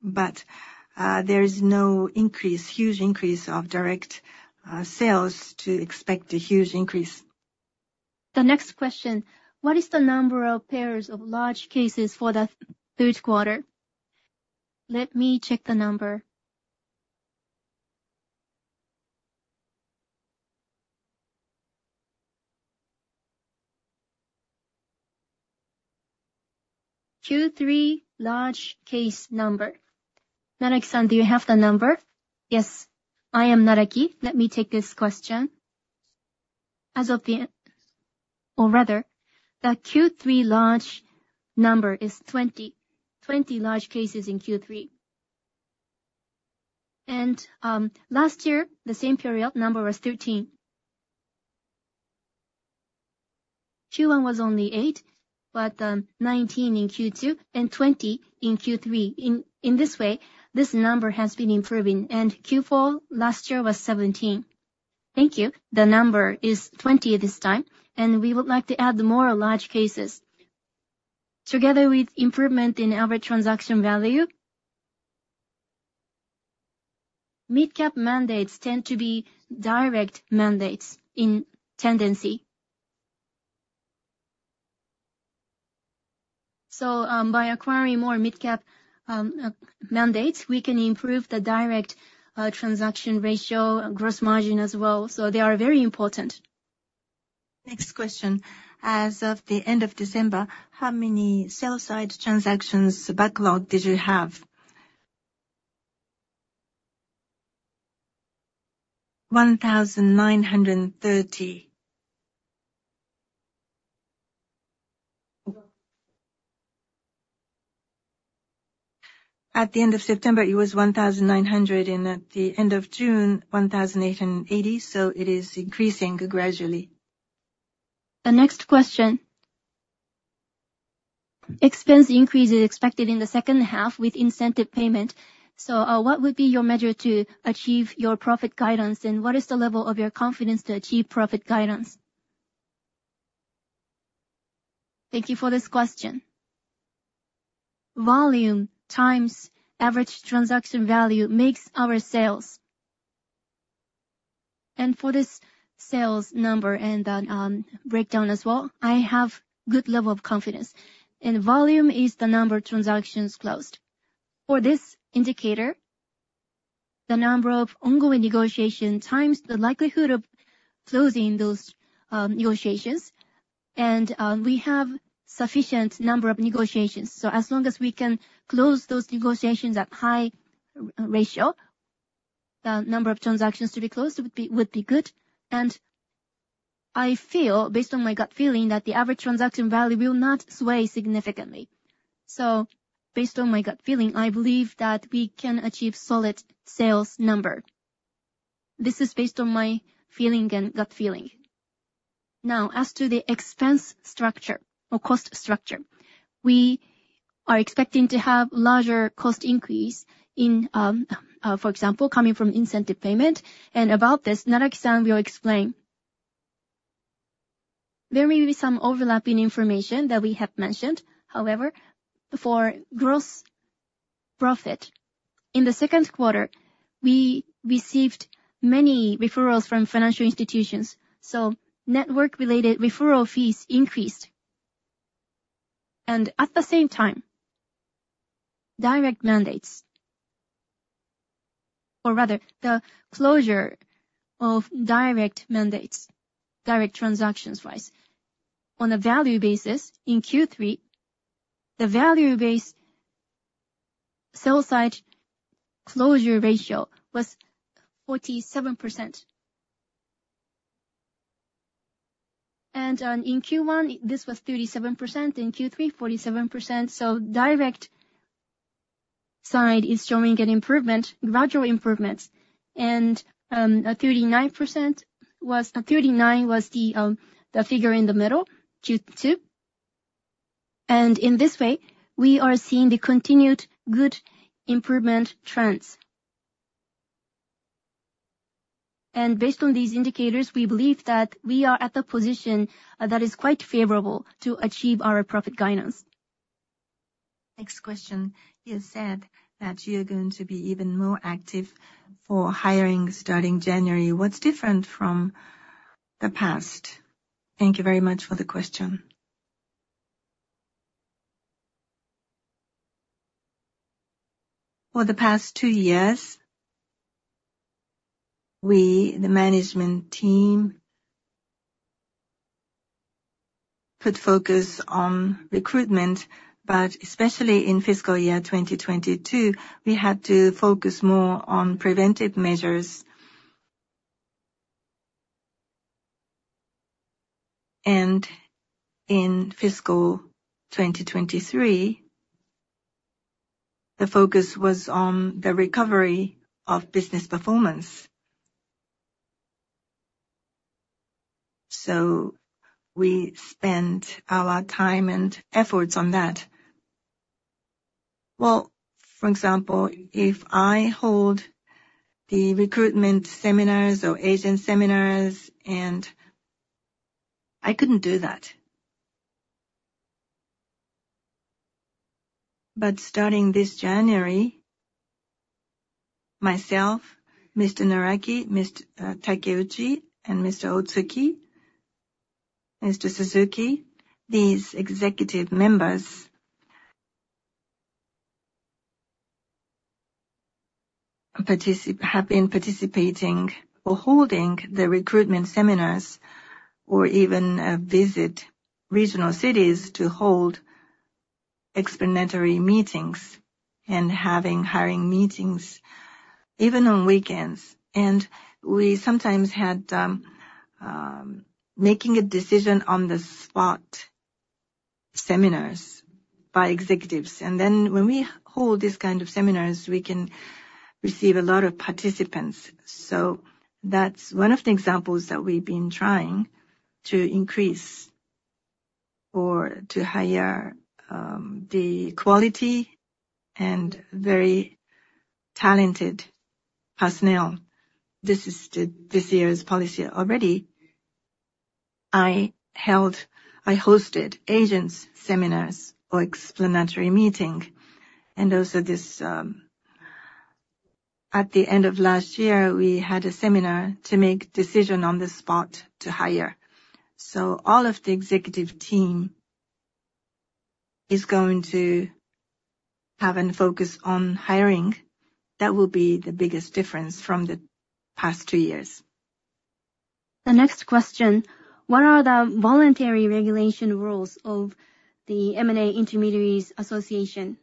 There is no huge increase of direct sales to expect a huge increase. The next question: What is the number of pairs of large cases for the third quarter? Let me check the number. Q3 large case number. Naraki-san, do you have the number? Yes, I am Naraki. Let me take this question. As of the end, or rather, the Q3 large number is 20. 20 large cases in Q3. And, last year, the same period, number was 13. Q1 was only eight, but, 19 in Q2 and 20 in Q3. In this way, this number has been improving, and Q4 last year was 17. Thank you. The number is 20 this time, and we would like to add more large cases. Together with improvement in average transaction value, mid-cap mandates tend to be direct mandates in tendency. By acquiring more Mid-cap mandates, we can improve the direct transaction ratio, gross margin as well, so they are very important. Next question. As of the end of December, how many sell side transactions backlog did you have? 1,930. At the end of September, it was 1,900, and at the end of June, 1,880, so it is increasing gradually. The next question. Expense increase is expected in the second half with incentive payment. So, what would be your measure to achieve your profit guidance, and what is the level of your confidence to achieve profit guidance? Thank you for this question. Volume times average transaction value makes our sales. And for this sales number and the breakdown as well, I have good level of confidence, and volume is the number of transactions closed. For this indicator, the number of ongoing negotiation times the likelihood of closing those negotiations, and we have sufficient number of negotiations. So as long as we can close those negotiations at high r-ratio, the number of transactions to be closed would be, would be good. And I feel, based on my gut feeling, that the average transaction value will not sway significantly. So based on my gut feeling, I believe that we can achieve solid sales number. This is based on my feeling and gut feeling. Now, as to the expense structure or cost structure, we are expecting to have larger cost increase in, for example, coming from incentive payment. And about this, Naraki-san will explain. There may be some overlapping information that we have mentioned. However, for gross profit, in the second quarter, we received many referrals from financial institutions, so network-related referral fees increased. And at the same time, direct mandates, or rather, the closure of direct mandates, direct transactions wise. On a value basis, in Q3, the value-based sell side closure ratio was 47%. In Q1, this was 37%; in Q3, 47%, so direct side is showing an improvement, gradual improvements. 39% was the figure in the middle, Q2. In this way, we are seeing the continued good improvement trends. Based on these indicators, we believe that we are at the position that is quite favorable to achieve our profit guidance. Next question: You said that you're going to be even more active for hiring starting January. What's different from the past? Thank you very much for the question. For the past 2 years, we, the management team, put focus on recruitment, but especially in fiscal year 2022, we had to focus more on preventive measures. In fiscal 2023, the focus was on the recovery of business performance. So we spent a lot of time and efforts on that. Well, for example, if I hold the recruitment seminars or agent seminars, and I couldn't do that. But starting this January, myself, Mr. Naraki, Mr. Takeuchi, and Mr. Otsuki, Mr. Suzuki, these executive members, have been participating or holding the recruitment seminars or even visit regional cities to hold explanatory meetings and having hiring meetings even on weekends. We sometimes had making a decision on the spot seminars by executives. When we hold these kind of seminars, we can receive a lot of participants. That's one of the examples that we've been trying to increase or to hire the quality and very talented personnel. This is the, this year's policy already. I held, I hosted agents seminars or explanatory meeting, and also this... At the end of last year, we had a seminar to make decision on the spot to hire. All of the executive team is going to have and focus on hiring. That will be the biggest difference from the past two years. The next question: What are the voluntary regulation rules of the M&A Intermediaries Association?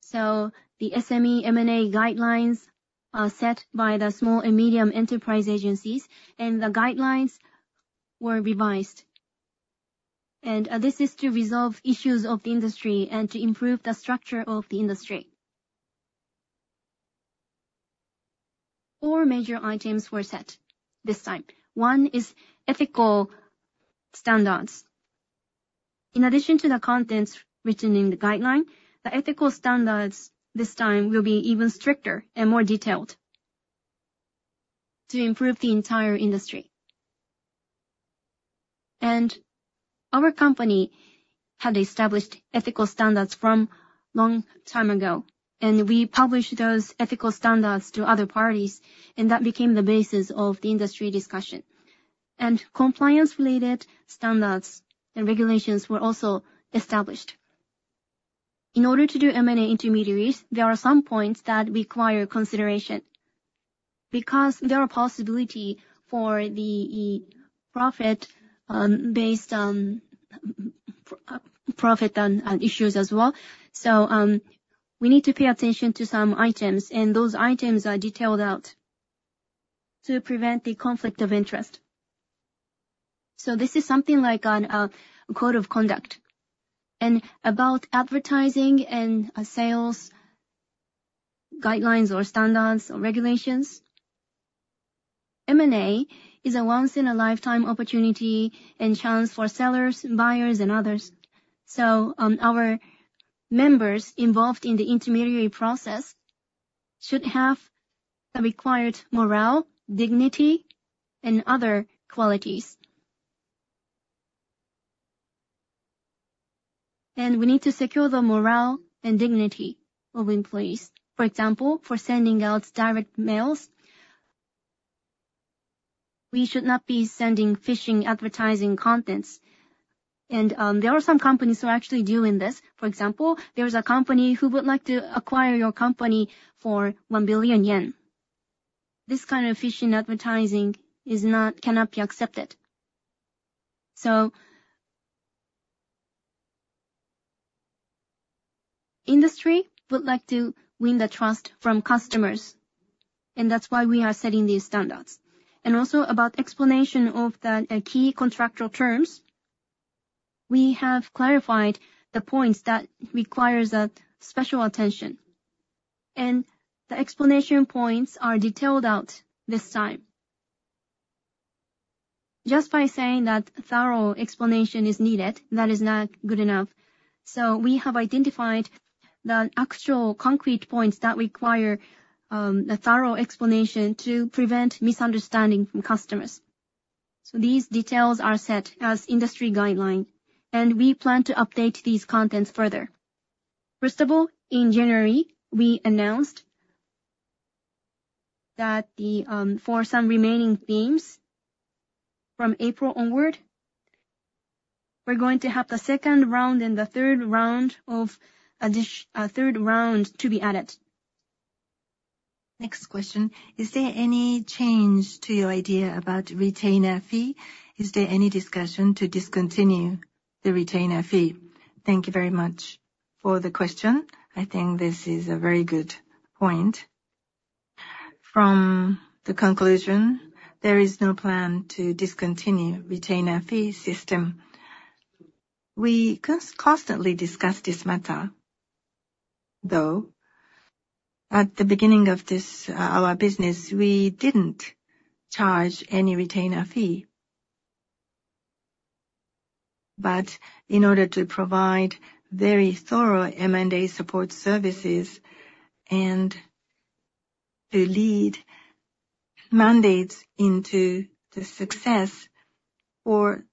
So the SME M&A guidelines are set by the small and medium enterprise agencies, and the guidelines were revised. And this is to resolve issues of the industry and to improve the structure of the industry. Four major items were set this time. One is ethical standards. In addition to the contents written in the guideline, the ethical standards this time will be even stricter and more detailed to improve the entire industry. And our company had established ethical standards from long time ago, and we published those ethical standards to other parties, and that became the basis of the industry discussion. And compliance-related standards and regulations were also established. In order to do M&A intermediaries, there are some points that require consideration, because there are possibility for the profit based on profit and issues as well. So we need to pay attention to some items, and those items are detailed out to prevent the conflict of interest. So this is something like on code of conduct and about advertising and sales guidelines or standards or regulations. M&A is a once-in-a-lifetime opportunity and chance for sellers, buyers, and others. So our members involved in the intermediary process should have the required morale, dignity, and other qualities. And we need to secure the morale and dignity of employees. For example, for sending out direct mails, we should not be sending phishing advertising contents. And there are some companies who are actually doing this. For example, there is a company who would like to acquire your company for 1 billion yen. This kind of phishing advertising cannot be accepted. So industry would like to win the trust from customers, and that's why we are setting these standards. And also about explanation of the key contractual terms, we have clarified the points that requires that special attention, and the explanation points are detailed out this time. Just by saying that thorough explanation is needed, that is not good enough. So we have identified the actual concrete points that require a thorough explanation to prevent misunderstanding from customers. So these details are set as industry guideline, and we plan to update these contents further. First of all, in January, we announced that the For some remaining themes, from April onward, we're going to have the second round and the third round to be added. Next question: Is there any change to your idea about retainer fee? Is there any discussion to discontinue the retainer fee? Thank you very much for the question. I think this is a very good point. From the conclusion, there is no plan to discontinue retainer fee system. We constantly discuss this matter, though. At the beginning of this, our business, we didn't charge any retainer fee. But in order to provide very thorough M&A support services and to lead mandates into the success for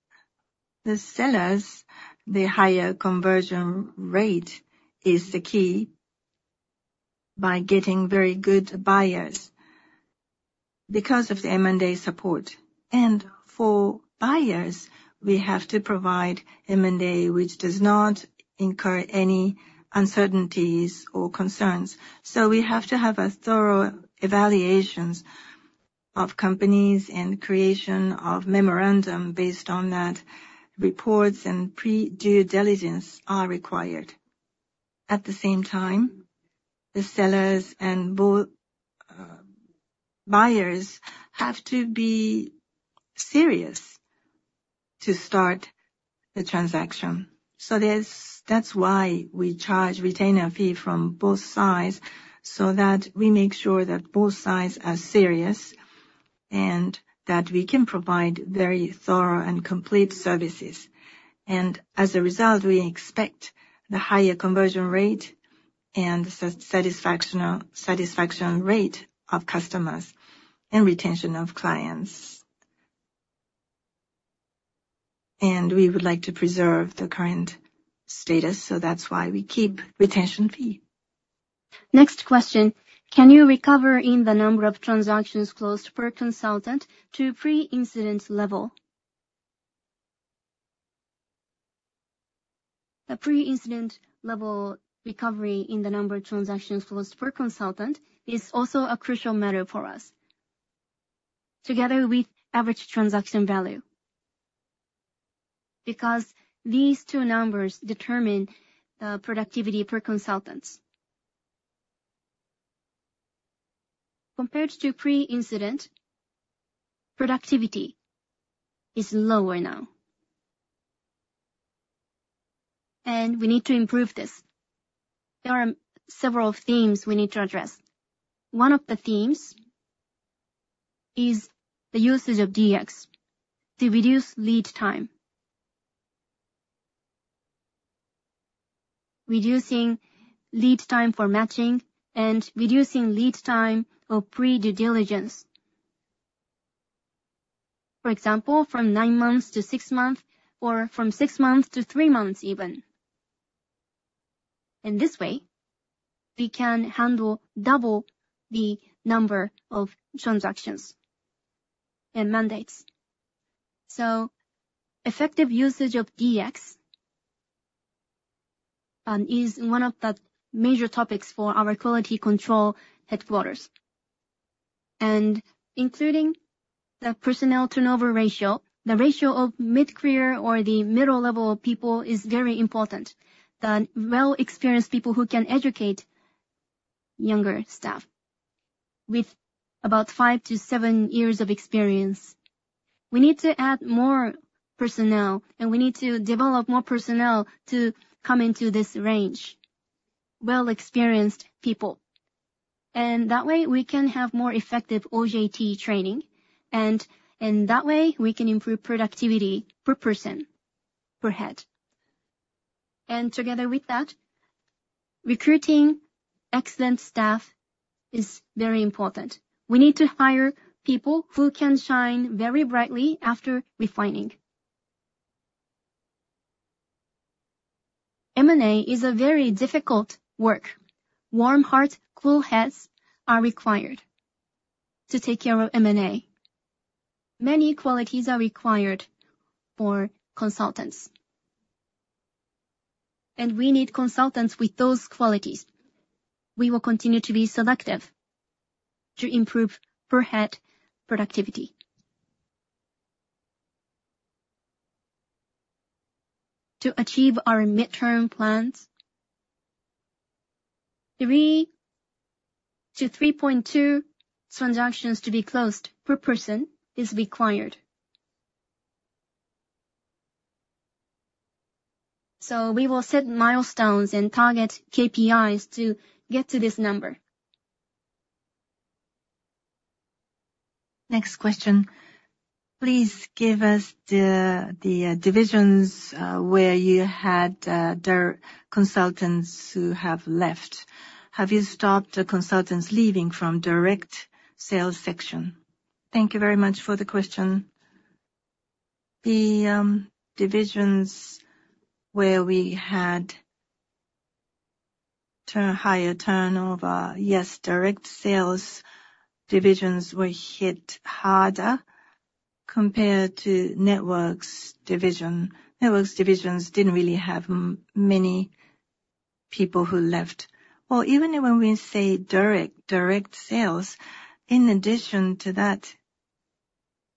the sellers, the higher conversion rate is the key by getting very good buyers because of the M&A support. And for buyers, we have to provide M&A, which does not incur any uncertainties or concerns. So we have to have a thorough evaluations of companies and creation of memorandum based on that, reports and pre-due diligence are required. At the same time, the sellers and buyers have to be serious to start the transaction. So that's why we charge retainer fee from both sides, so that we make sure that both sides are serious and that we can provide very thorough and complete services. And as a result, we expect the higher conversion rate and satisfaction rate of customers and retention of clients. And we would like to preserve the current status, so that's why we keep retainer fee. Next question: Can you recover in the number of transactions closed per consultant to pre-incident level? The pre-incident level recovery in the number of transactions closed per consultant is also a crucial matter for us, together with average transaction value, because these two numbers determine productivity per consultants. Compared to pre-incident, productivity is lower now. We need to improve this. There are several themes we need to address. One of the themes is the usage of DX to reduce lead time. Reducing lead time for matching and reducing lead time of pre-due diligence. For example, from 9 months to six months, or from six months to three months even. In this way, we can handle double the number of transactions and mandates. Effective usage of DX is one of the major topics for our quality control headquarters. Including the personnel turnover ratio, the ratio of mid-career or the middle level people is very important, the well-experienced people who can educate younger staff with about five to seven years of experience. We need to add more personnel, and we need to develop more personnel to come into this range, well-experienced people. And that way, we can have more effective OJT training, and in that way, we can improve productivity per person, per head. And together with that, recruiting excellent staff is very important. We need to hire people who can shine very brightly after refining. M&A is a very difficult work. Warm heart, cool heads are required to take care of M&A. Many qualities are required for consultants, and we need consultants with those qualities. We will continue to be selective to improve per head productivity. To achieve our midterm plans, three to 3.2 transactions to be closed per person is required. So we will set milestones and target KPIs to get to this number. Next question: Please give us the divisions where you had their consultants who have left. Have you stopped the consultants leaving from direct sales section? Thank you very much for the question. The divisions where we had higher turnover, yes, direct sales divisions were hit harder compared to networks division. Networks divisions didn't really have many people who left. Or even when we say direct sales, in addition to that,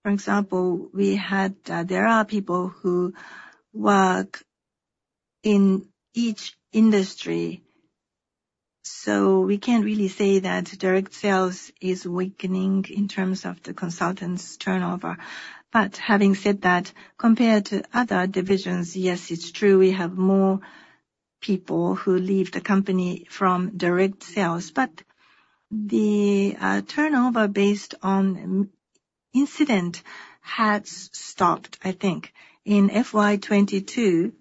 for example, there are people who work in each industry, so we can't really say that direct sales is weakening in terms of the consultants' turnover. But having said that, compared to other divisions, yes, it's true, we have more people who leave the company from direct sales. But the turnover based on incident has stopped, I think. In FY 2022,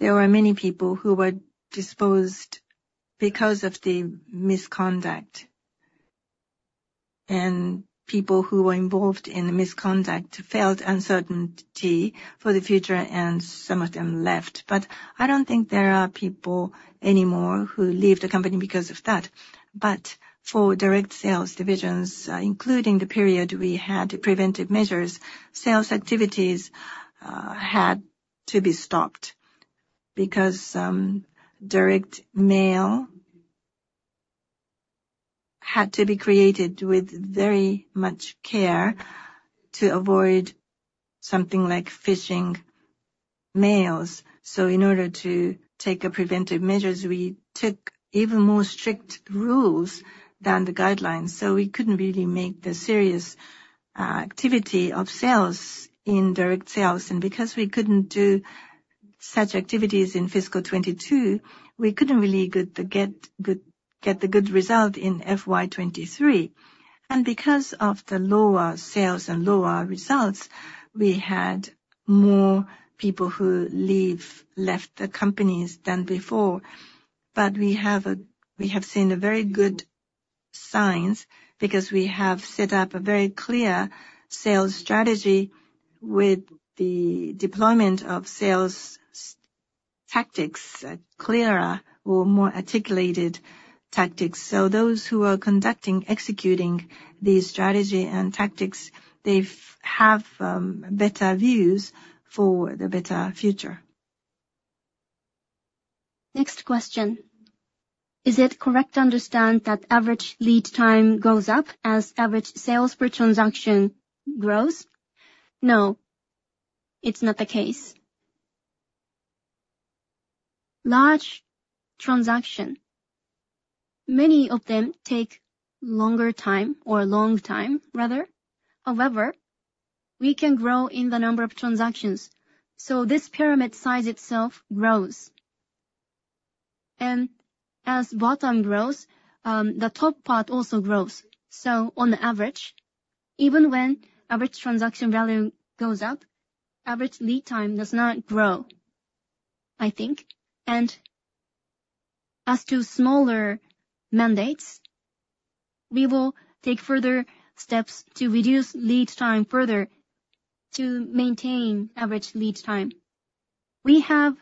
there were many people who were disposed because of the misconduct, and people who were involved in the misconduct felt uncertainty for the future, and some of them left. But I don't think there are people anymore who leave the company because of that. But for direct sales divisions, including the period we had preventive measures, sales activities had to be stopped because direct mail had to be created with very much care to avoid something like phishing mails. So in order to take a preventive measures, we took even more strict rules than the guidelines, so we couldn't really make the serious activity of sales in direct sales. And because we couldn't do such activities in fiscal 2022, we couldn't really get the good result in FY 2023. And because of the lower sales and lower results, we had more people who left the companies than before. But we have seen very good signs because we have set up a very clear sales strategy with the deployment of sales tactics, clearer or more articulated tactics. So those who are conducting, executing these strategy and tactics, they have better views for the better future. Next question: Is it correct to understand that average lead time goes up as average sales per transaction grows? No, it's not the case. Large transaction, many of them take longer time or a long time, rather. However, we can grow in the number of transactions, so this pyramid size itself grows.... And as bottom grows, the top part also grows. So on the average, even when average transaction value goes up, average lead time does not grow, I think. And as to smaller mandates, we will take further steps to reduce lead time further to maintain average lead time. We have,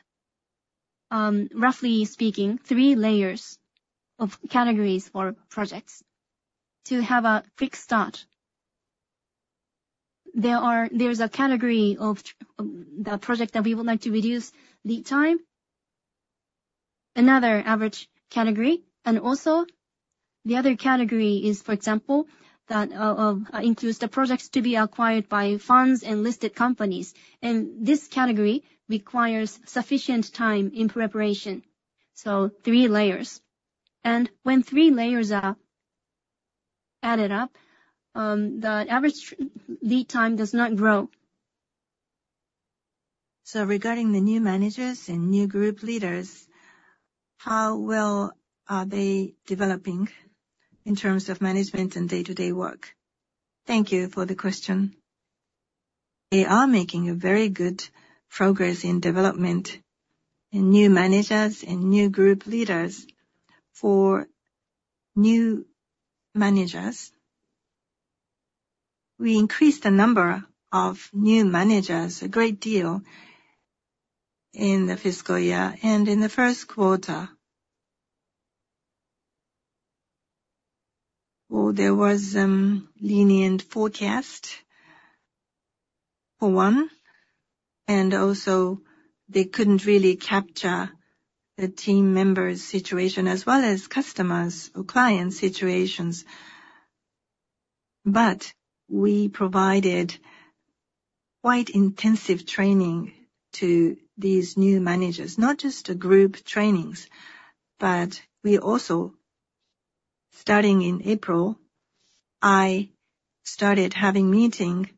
roughly speaking, three layers of categories for projects. To have a quick start, there's a category of the project that we would like to reduce lead time, another average category, and also the other category is, for example, that includes the projects to be acquired by funds and listed companies, and this category requires sufficient time in preparation. Three layers. When three layers are added up, the average lead time does not grow. So regarding the new managers and new group leaders, how well are they developing in terms of management and day-to-day work? Thank you for the question. They are making a very good progress in development in new managers and new group leaders. For new managers, we increased the number of new managers a great deal in the fiscal year and in the first quarter. Well, there was lenient forecast, for one, and also they couldn't really capture the team members' situation as well as customers or clients' situations. But we provided quite intensive training to these new managers, not just the group trainings, but we also, starting in April, I started having meeting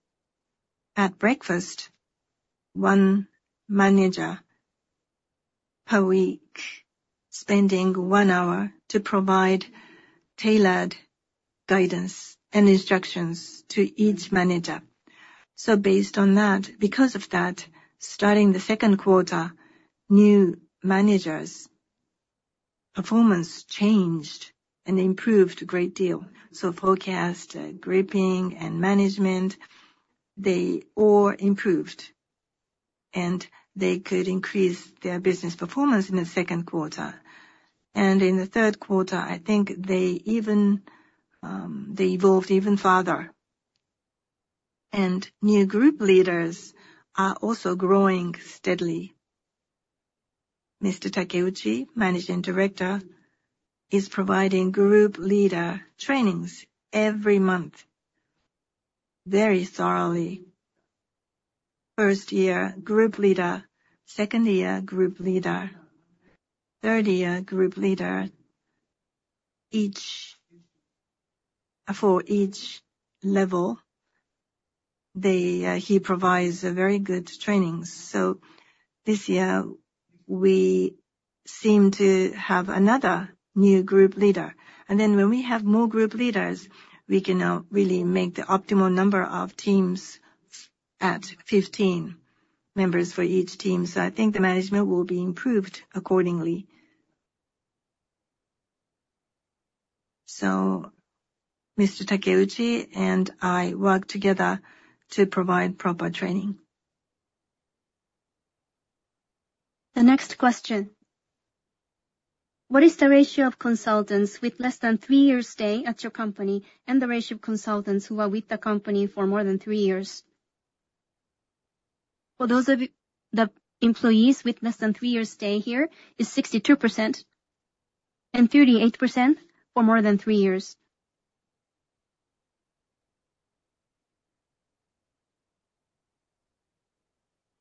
at breakfast, one manager per week, spending one hour to provide tailored guidance and instructions to each manager. So based on that, because of that, starting the second quarter, new managers' performance changed and improved a great deal. So forecasting and management, they all improved, and they could increase their business performance in the second quarter. And in the third quarter, I think they even, they evolved even further. And new group leaders are also growing steadily. Mr. Takeuchi, Managing Director, is providing group leader trainings every month, very thoroughly. First year group leader, second year group leader, third year group leader, each... For each level, they, he provides a very good trainings. So this year, we seem to have another new group leader. And then when we have more group leaders, we can now really make the optimal number of teams at 15 members for each team. So I think the management will be improved accordingly. So Mr. Takeuchi and I work together to provide proper training. The next question: What is the ratio of consultants with less than three years' stay at your company, and the ratio of consultants who are with the company for more than three years? For those of the employees with less than three years' stay here is 62%, and 38% for more than three years.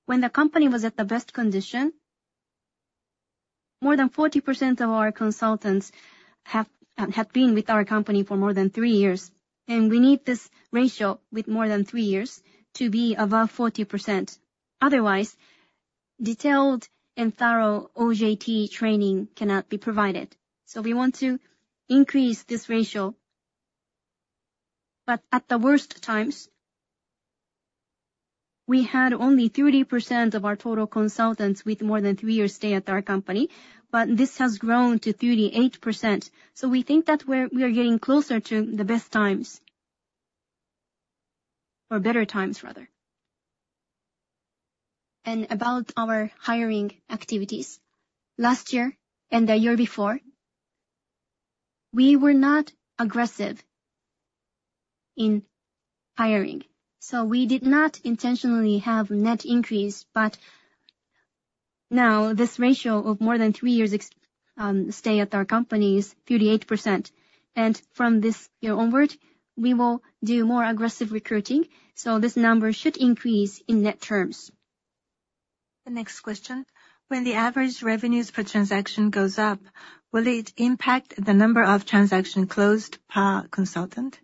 When the company was at the best condition, more than 40% of our consultants have been with our company for more than three years, and we need this ratio with more than three years to be above 40%. Otherwise, detailed and thorough OJT training cannot be provided. So we want to increase this ratio, but at the worst times, we had only 30% of our total consultants with more than three years' stay at our company, but this has grown to 38%. So we think that we're, we are getting closer to the best times, or better times, rather. And about our hiring activities. Last year and the year before, we were not aggressive in hiring, so we did not intentionally have net increase. But now, this ratio of more than three years stay at our company is 38%. And from this year onward, we will do more aggressive recruiting, so this number should increase in net terms. The next question: When the average revenues per transaction goes up, will it impact the number of transaction closed per consultant? ...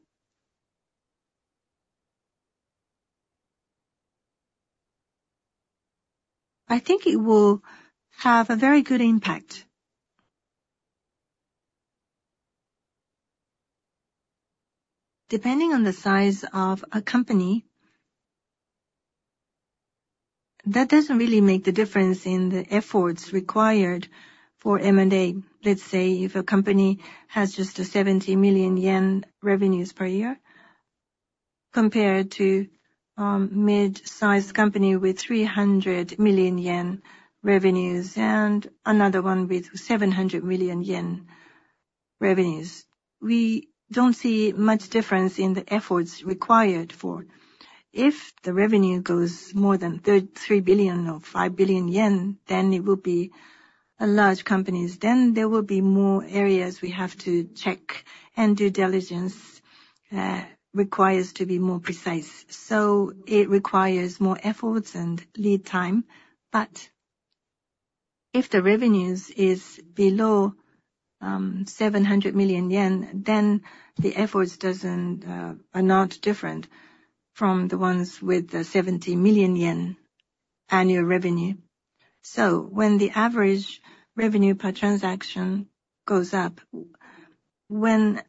I think it will have a very good impact. Depending on the size of a company, that doesn't really make the difference in the efforts required for M&A. Let's say, if a company has just a 70 million yen revenues per year, compared to, mid-sized company with 300 million yen revenues, and another one with 700 million yen revenues, we don't see much difference in the efforts required for. If the revenue goes more than three billion or five billion yen, then it will be a large companies, then there will be more areas we have to check, and due diligence, requires to be more precise. So it requires more efforts and lead time. But if the revenues is below, seven hundred million yen, then the efforts doesn't, are not different from the ones with the 70 million yen annual revenue. So when the average revenue per transaction goes up, when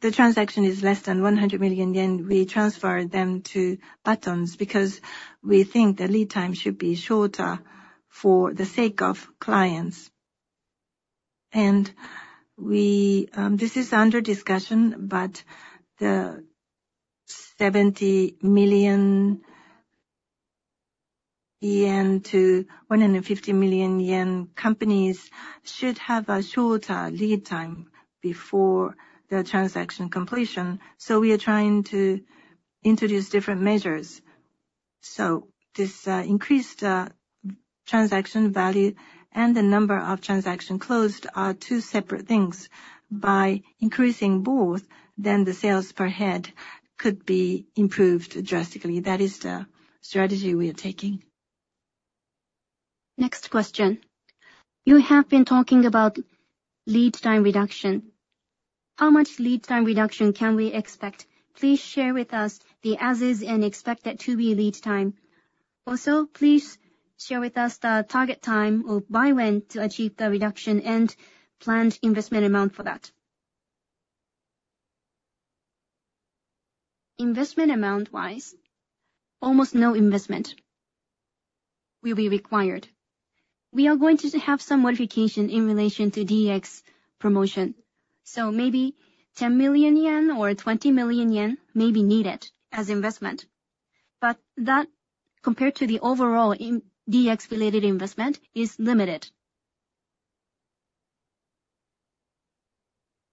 the transaction is less than 100 million yen, we transfer them to Batonz, because we think the lead time should be shorter for the sake of clients. And we this is under discussion, but the 70 million-150 million yen companies should have a shorter lead time before their transaction completion, so we are trying to introduce different measures. So this increased transaction value and the number of transaction closed are two separate things. By increasing both, then the sales per head could be improved drastically. That is the strategy we are taking. Next question. You have been talking about lead time reduction. How much lead time reduction can we expect? Please share with us the as is and expected to-be lead time. Also, please share with us the target time or by when to achieve the reduction and planned investment amount for that. Investment amount-wise, almost no investment will be required. We are going to have some modification in relation to DX promotion, so maybe 10 million yen or 20 million yen may be needed as investment. But that, compared to the overall in DX-related investment, is limited.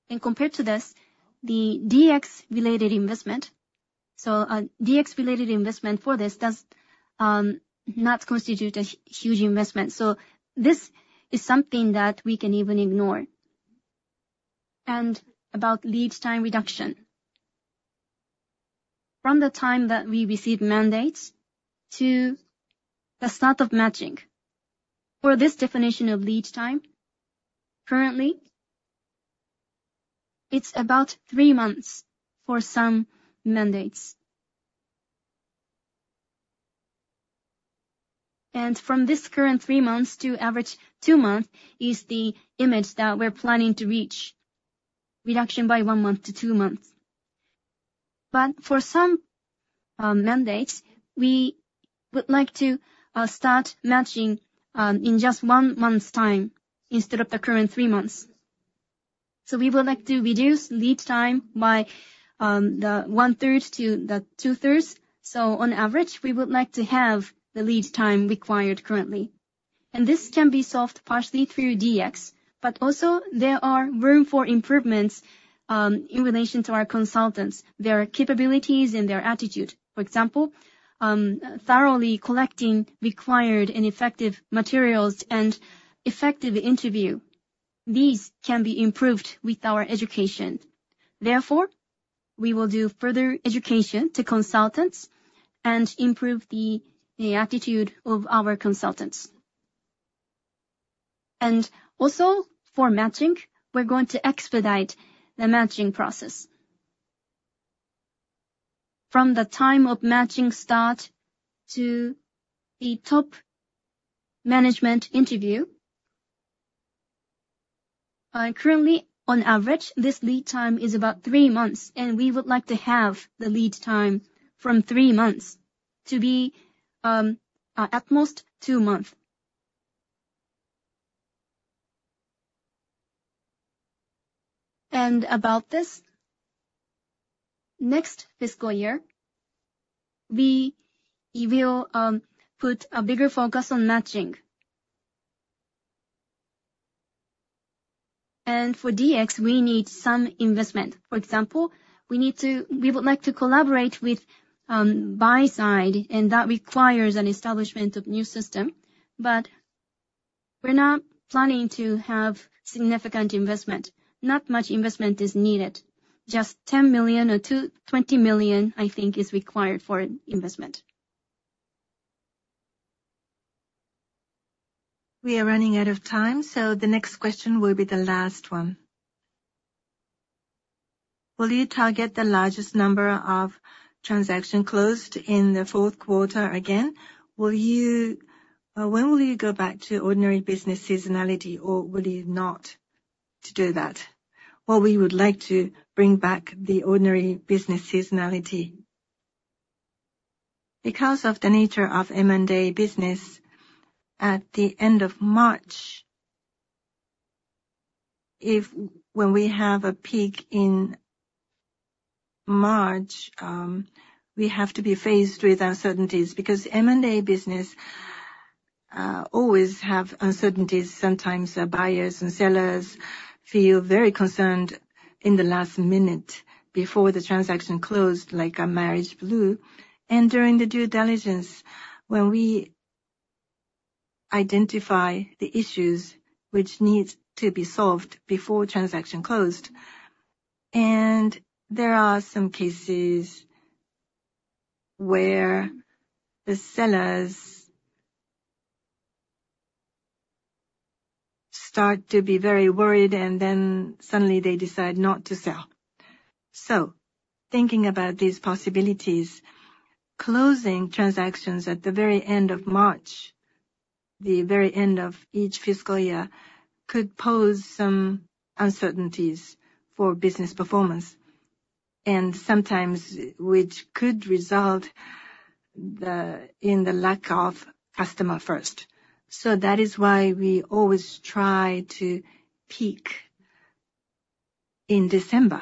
And compared to this, the DX-related investment, so, DX-related investment for this does not constitute a huge investment, so this is something that we can even ignore. And about lead time reduction. From the time that we receive mandates to the start of matching, for this definition of lead time, currently, it's about three months for some mandates. From this current three months to average two month, is the image that we're planning to reach, reduction by one month to two months. For some mandates, we would like to start matching in just one month's time instead of the current three months. We would like to reduce lead time by the 1/3 to the 2/3. On average, we would like to have the lead time required currently, and this can be solved partially through DX. There are room for improvements in relation to our consultants, their capabilities and their attitude. For example, thoroughly collecting required and effective materials and effective interview. These can be improved with our education. Therefore, we will do further education to consultants and improve the attitude of our consultants. Also, for matching, we're going to expedite the matching process. From the time of matching start to the top management interview, currently, on average, this lead time is about three months, and we would like to have the lead time from three months to be at most two months. About this, next fiscal year, we will put a bigger focus on matching. For DX, we need some investment. For example, we would like to collaborate with buy side, and that requires an establishment of new system. But we're not planning to have significant investment. Not much investment is needed. Just 10 million or 20 million, I think, is required for investment. We are running out of time, so the next question will be the last one... Will you target the largest number of transaction closed in the fourth quarter again? Will you, when will you go back to ordinary business seasonality, or will you not to do that? Well, we would like to bring back the ordinary business seasonality. Because of the nature of M&A business, at the end of March, if when we have a peak in March, we have to be faced with uncertainties. Because M&A business always have uncertainties. Sometimes our buyers and sellers feel very concerned in the last minute before the transaction closed, like a marriage blue. During the due diligence, when we identify the issues which needs to be solved before transaction closed, and there are some cases where the sellers start to be very worried, and then suddenly they decide not to sell. So thinking about these possibilities, closing transactions at the very end of March, the very end of each fiscal year, could pose some uncertainties for business performance, and sometimes which could result in the lack of customer first. So that is why we always try to peak in December,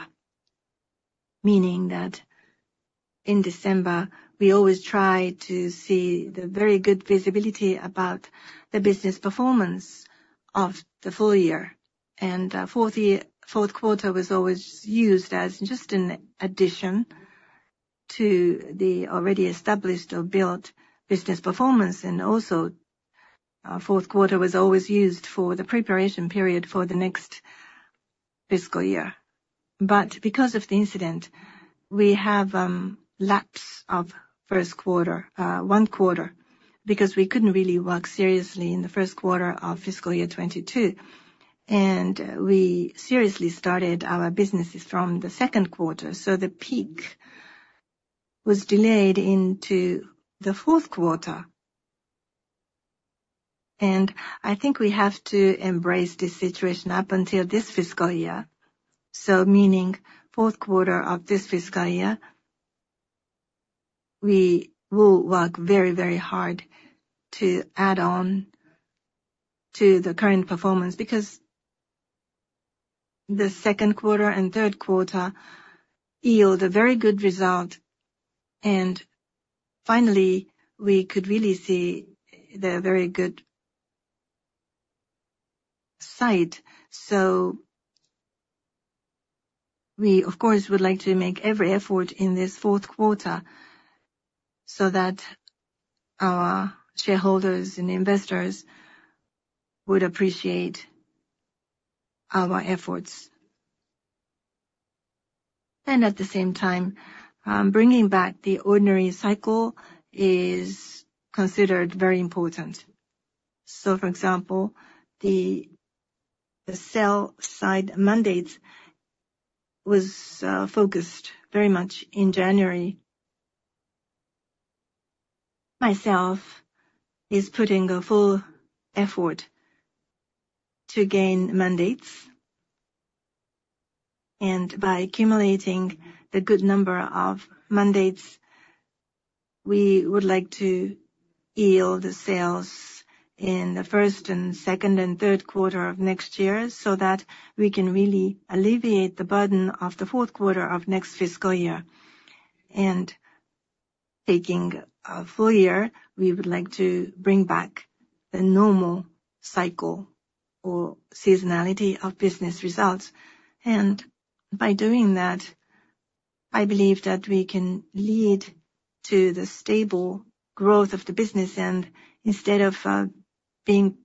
meaning that in December, we always try to see the very good visibility about the business performance of the full year. Fourth quarter was always used as just an addition to the already established or built business performance. And also, our fourth quarter was always used for the preparation period for the next fiscal year. But because of the incident, we have lapse of first quarter, one quarter, because we couldn't really work seriously in the first quarter of fiscal year 2022, and we seriously started our businesses from the second quarter. So the peak was delayed into the fourth quarter. And I think we have to embrace this situation up until this fiscal year. So meaning fourth quarter of this fiscal year, we will work very, very hard to add on to the current performance, because the second quarter and third quarter yield a very good result. And finally, we could really see the very good side. So we, of course, would like to make every effort in this fourth quarter, so that our shareholders and investors would appreciate our efforts. And at the same time, bringing back the ordinary cycle is considered very important. So for example, the sell-side mandates was focused very much in January. Myself is putting a full effort to gain mandates, and by accumulating the good number of mandates, we would like to yield the sales in the first and second and third quarter of next year, so that we can really alleviate the burden of the fourth quarter of next fiscal year. And taking a full year, we would like to bring back the normal cycle or seasonality of business results. And by doing that, I believe that we can lead to the stable growth of the business, and instead of being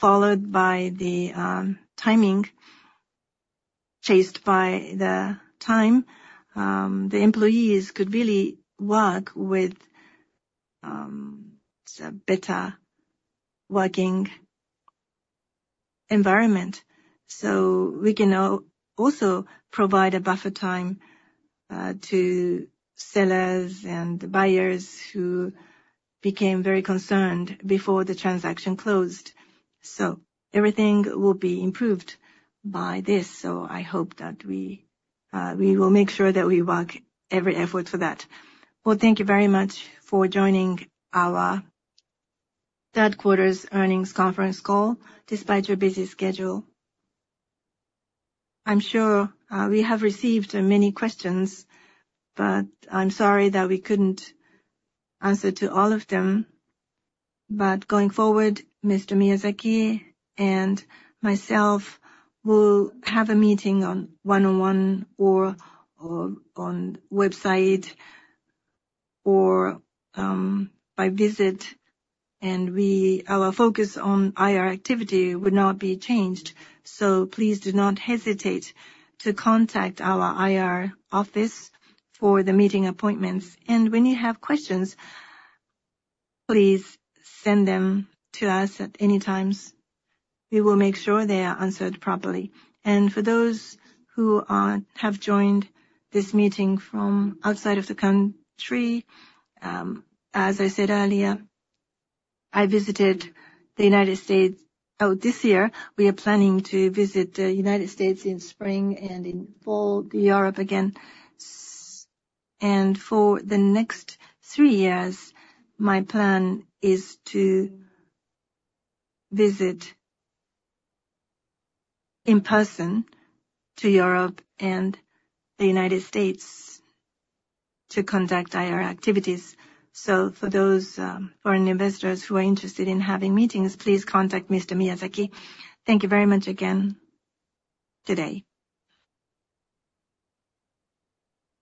followed by the timing, chased by the time, the employees could really work with a better working environment. So we can also provide a buffer time to sellers and buyers who became very concerned before the transaction closed. So everything will be improved by this. So I hope that we will make sure that we work every effort for that. Well, thank you very much for joining our third quarter's earnings conference call, despite your busy schedule. I'm sure we have received many questions, but I'm sorry that we couldn't answer to all of them. But going forward, Mr. Miyazaki and myself will have a meeting on one-on-one or, or on website, or by visit, and our focus on IR activity would not be changed. So please do not hesitate to contact our IR office for the meeting appointments. And when you have questions, please send them to us at any times. We will make sure they are answered properly. And for those who have joined this meeting from outside of the country, as I said earlier, I visited the United States. Oh, this year, we are planning to visit the United States in spring, and in fall, Europe again. And for the next three years, my plan is to visit in person to Europe and the United States to conduct IR activities. So for those foreign investors who are interested in having meetings, please contact Mr. Miyazaki. Thank you very much again today.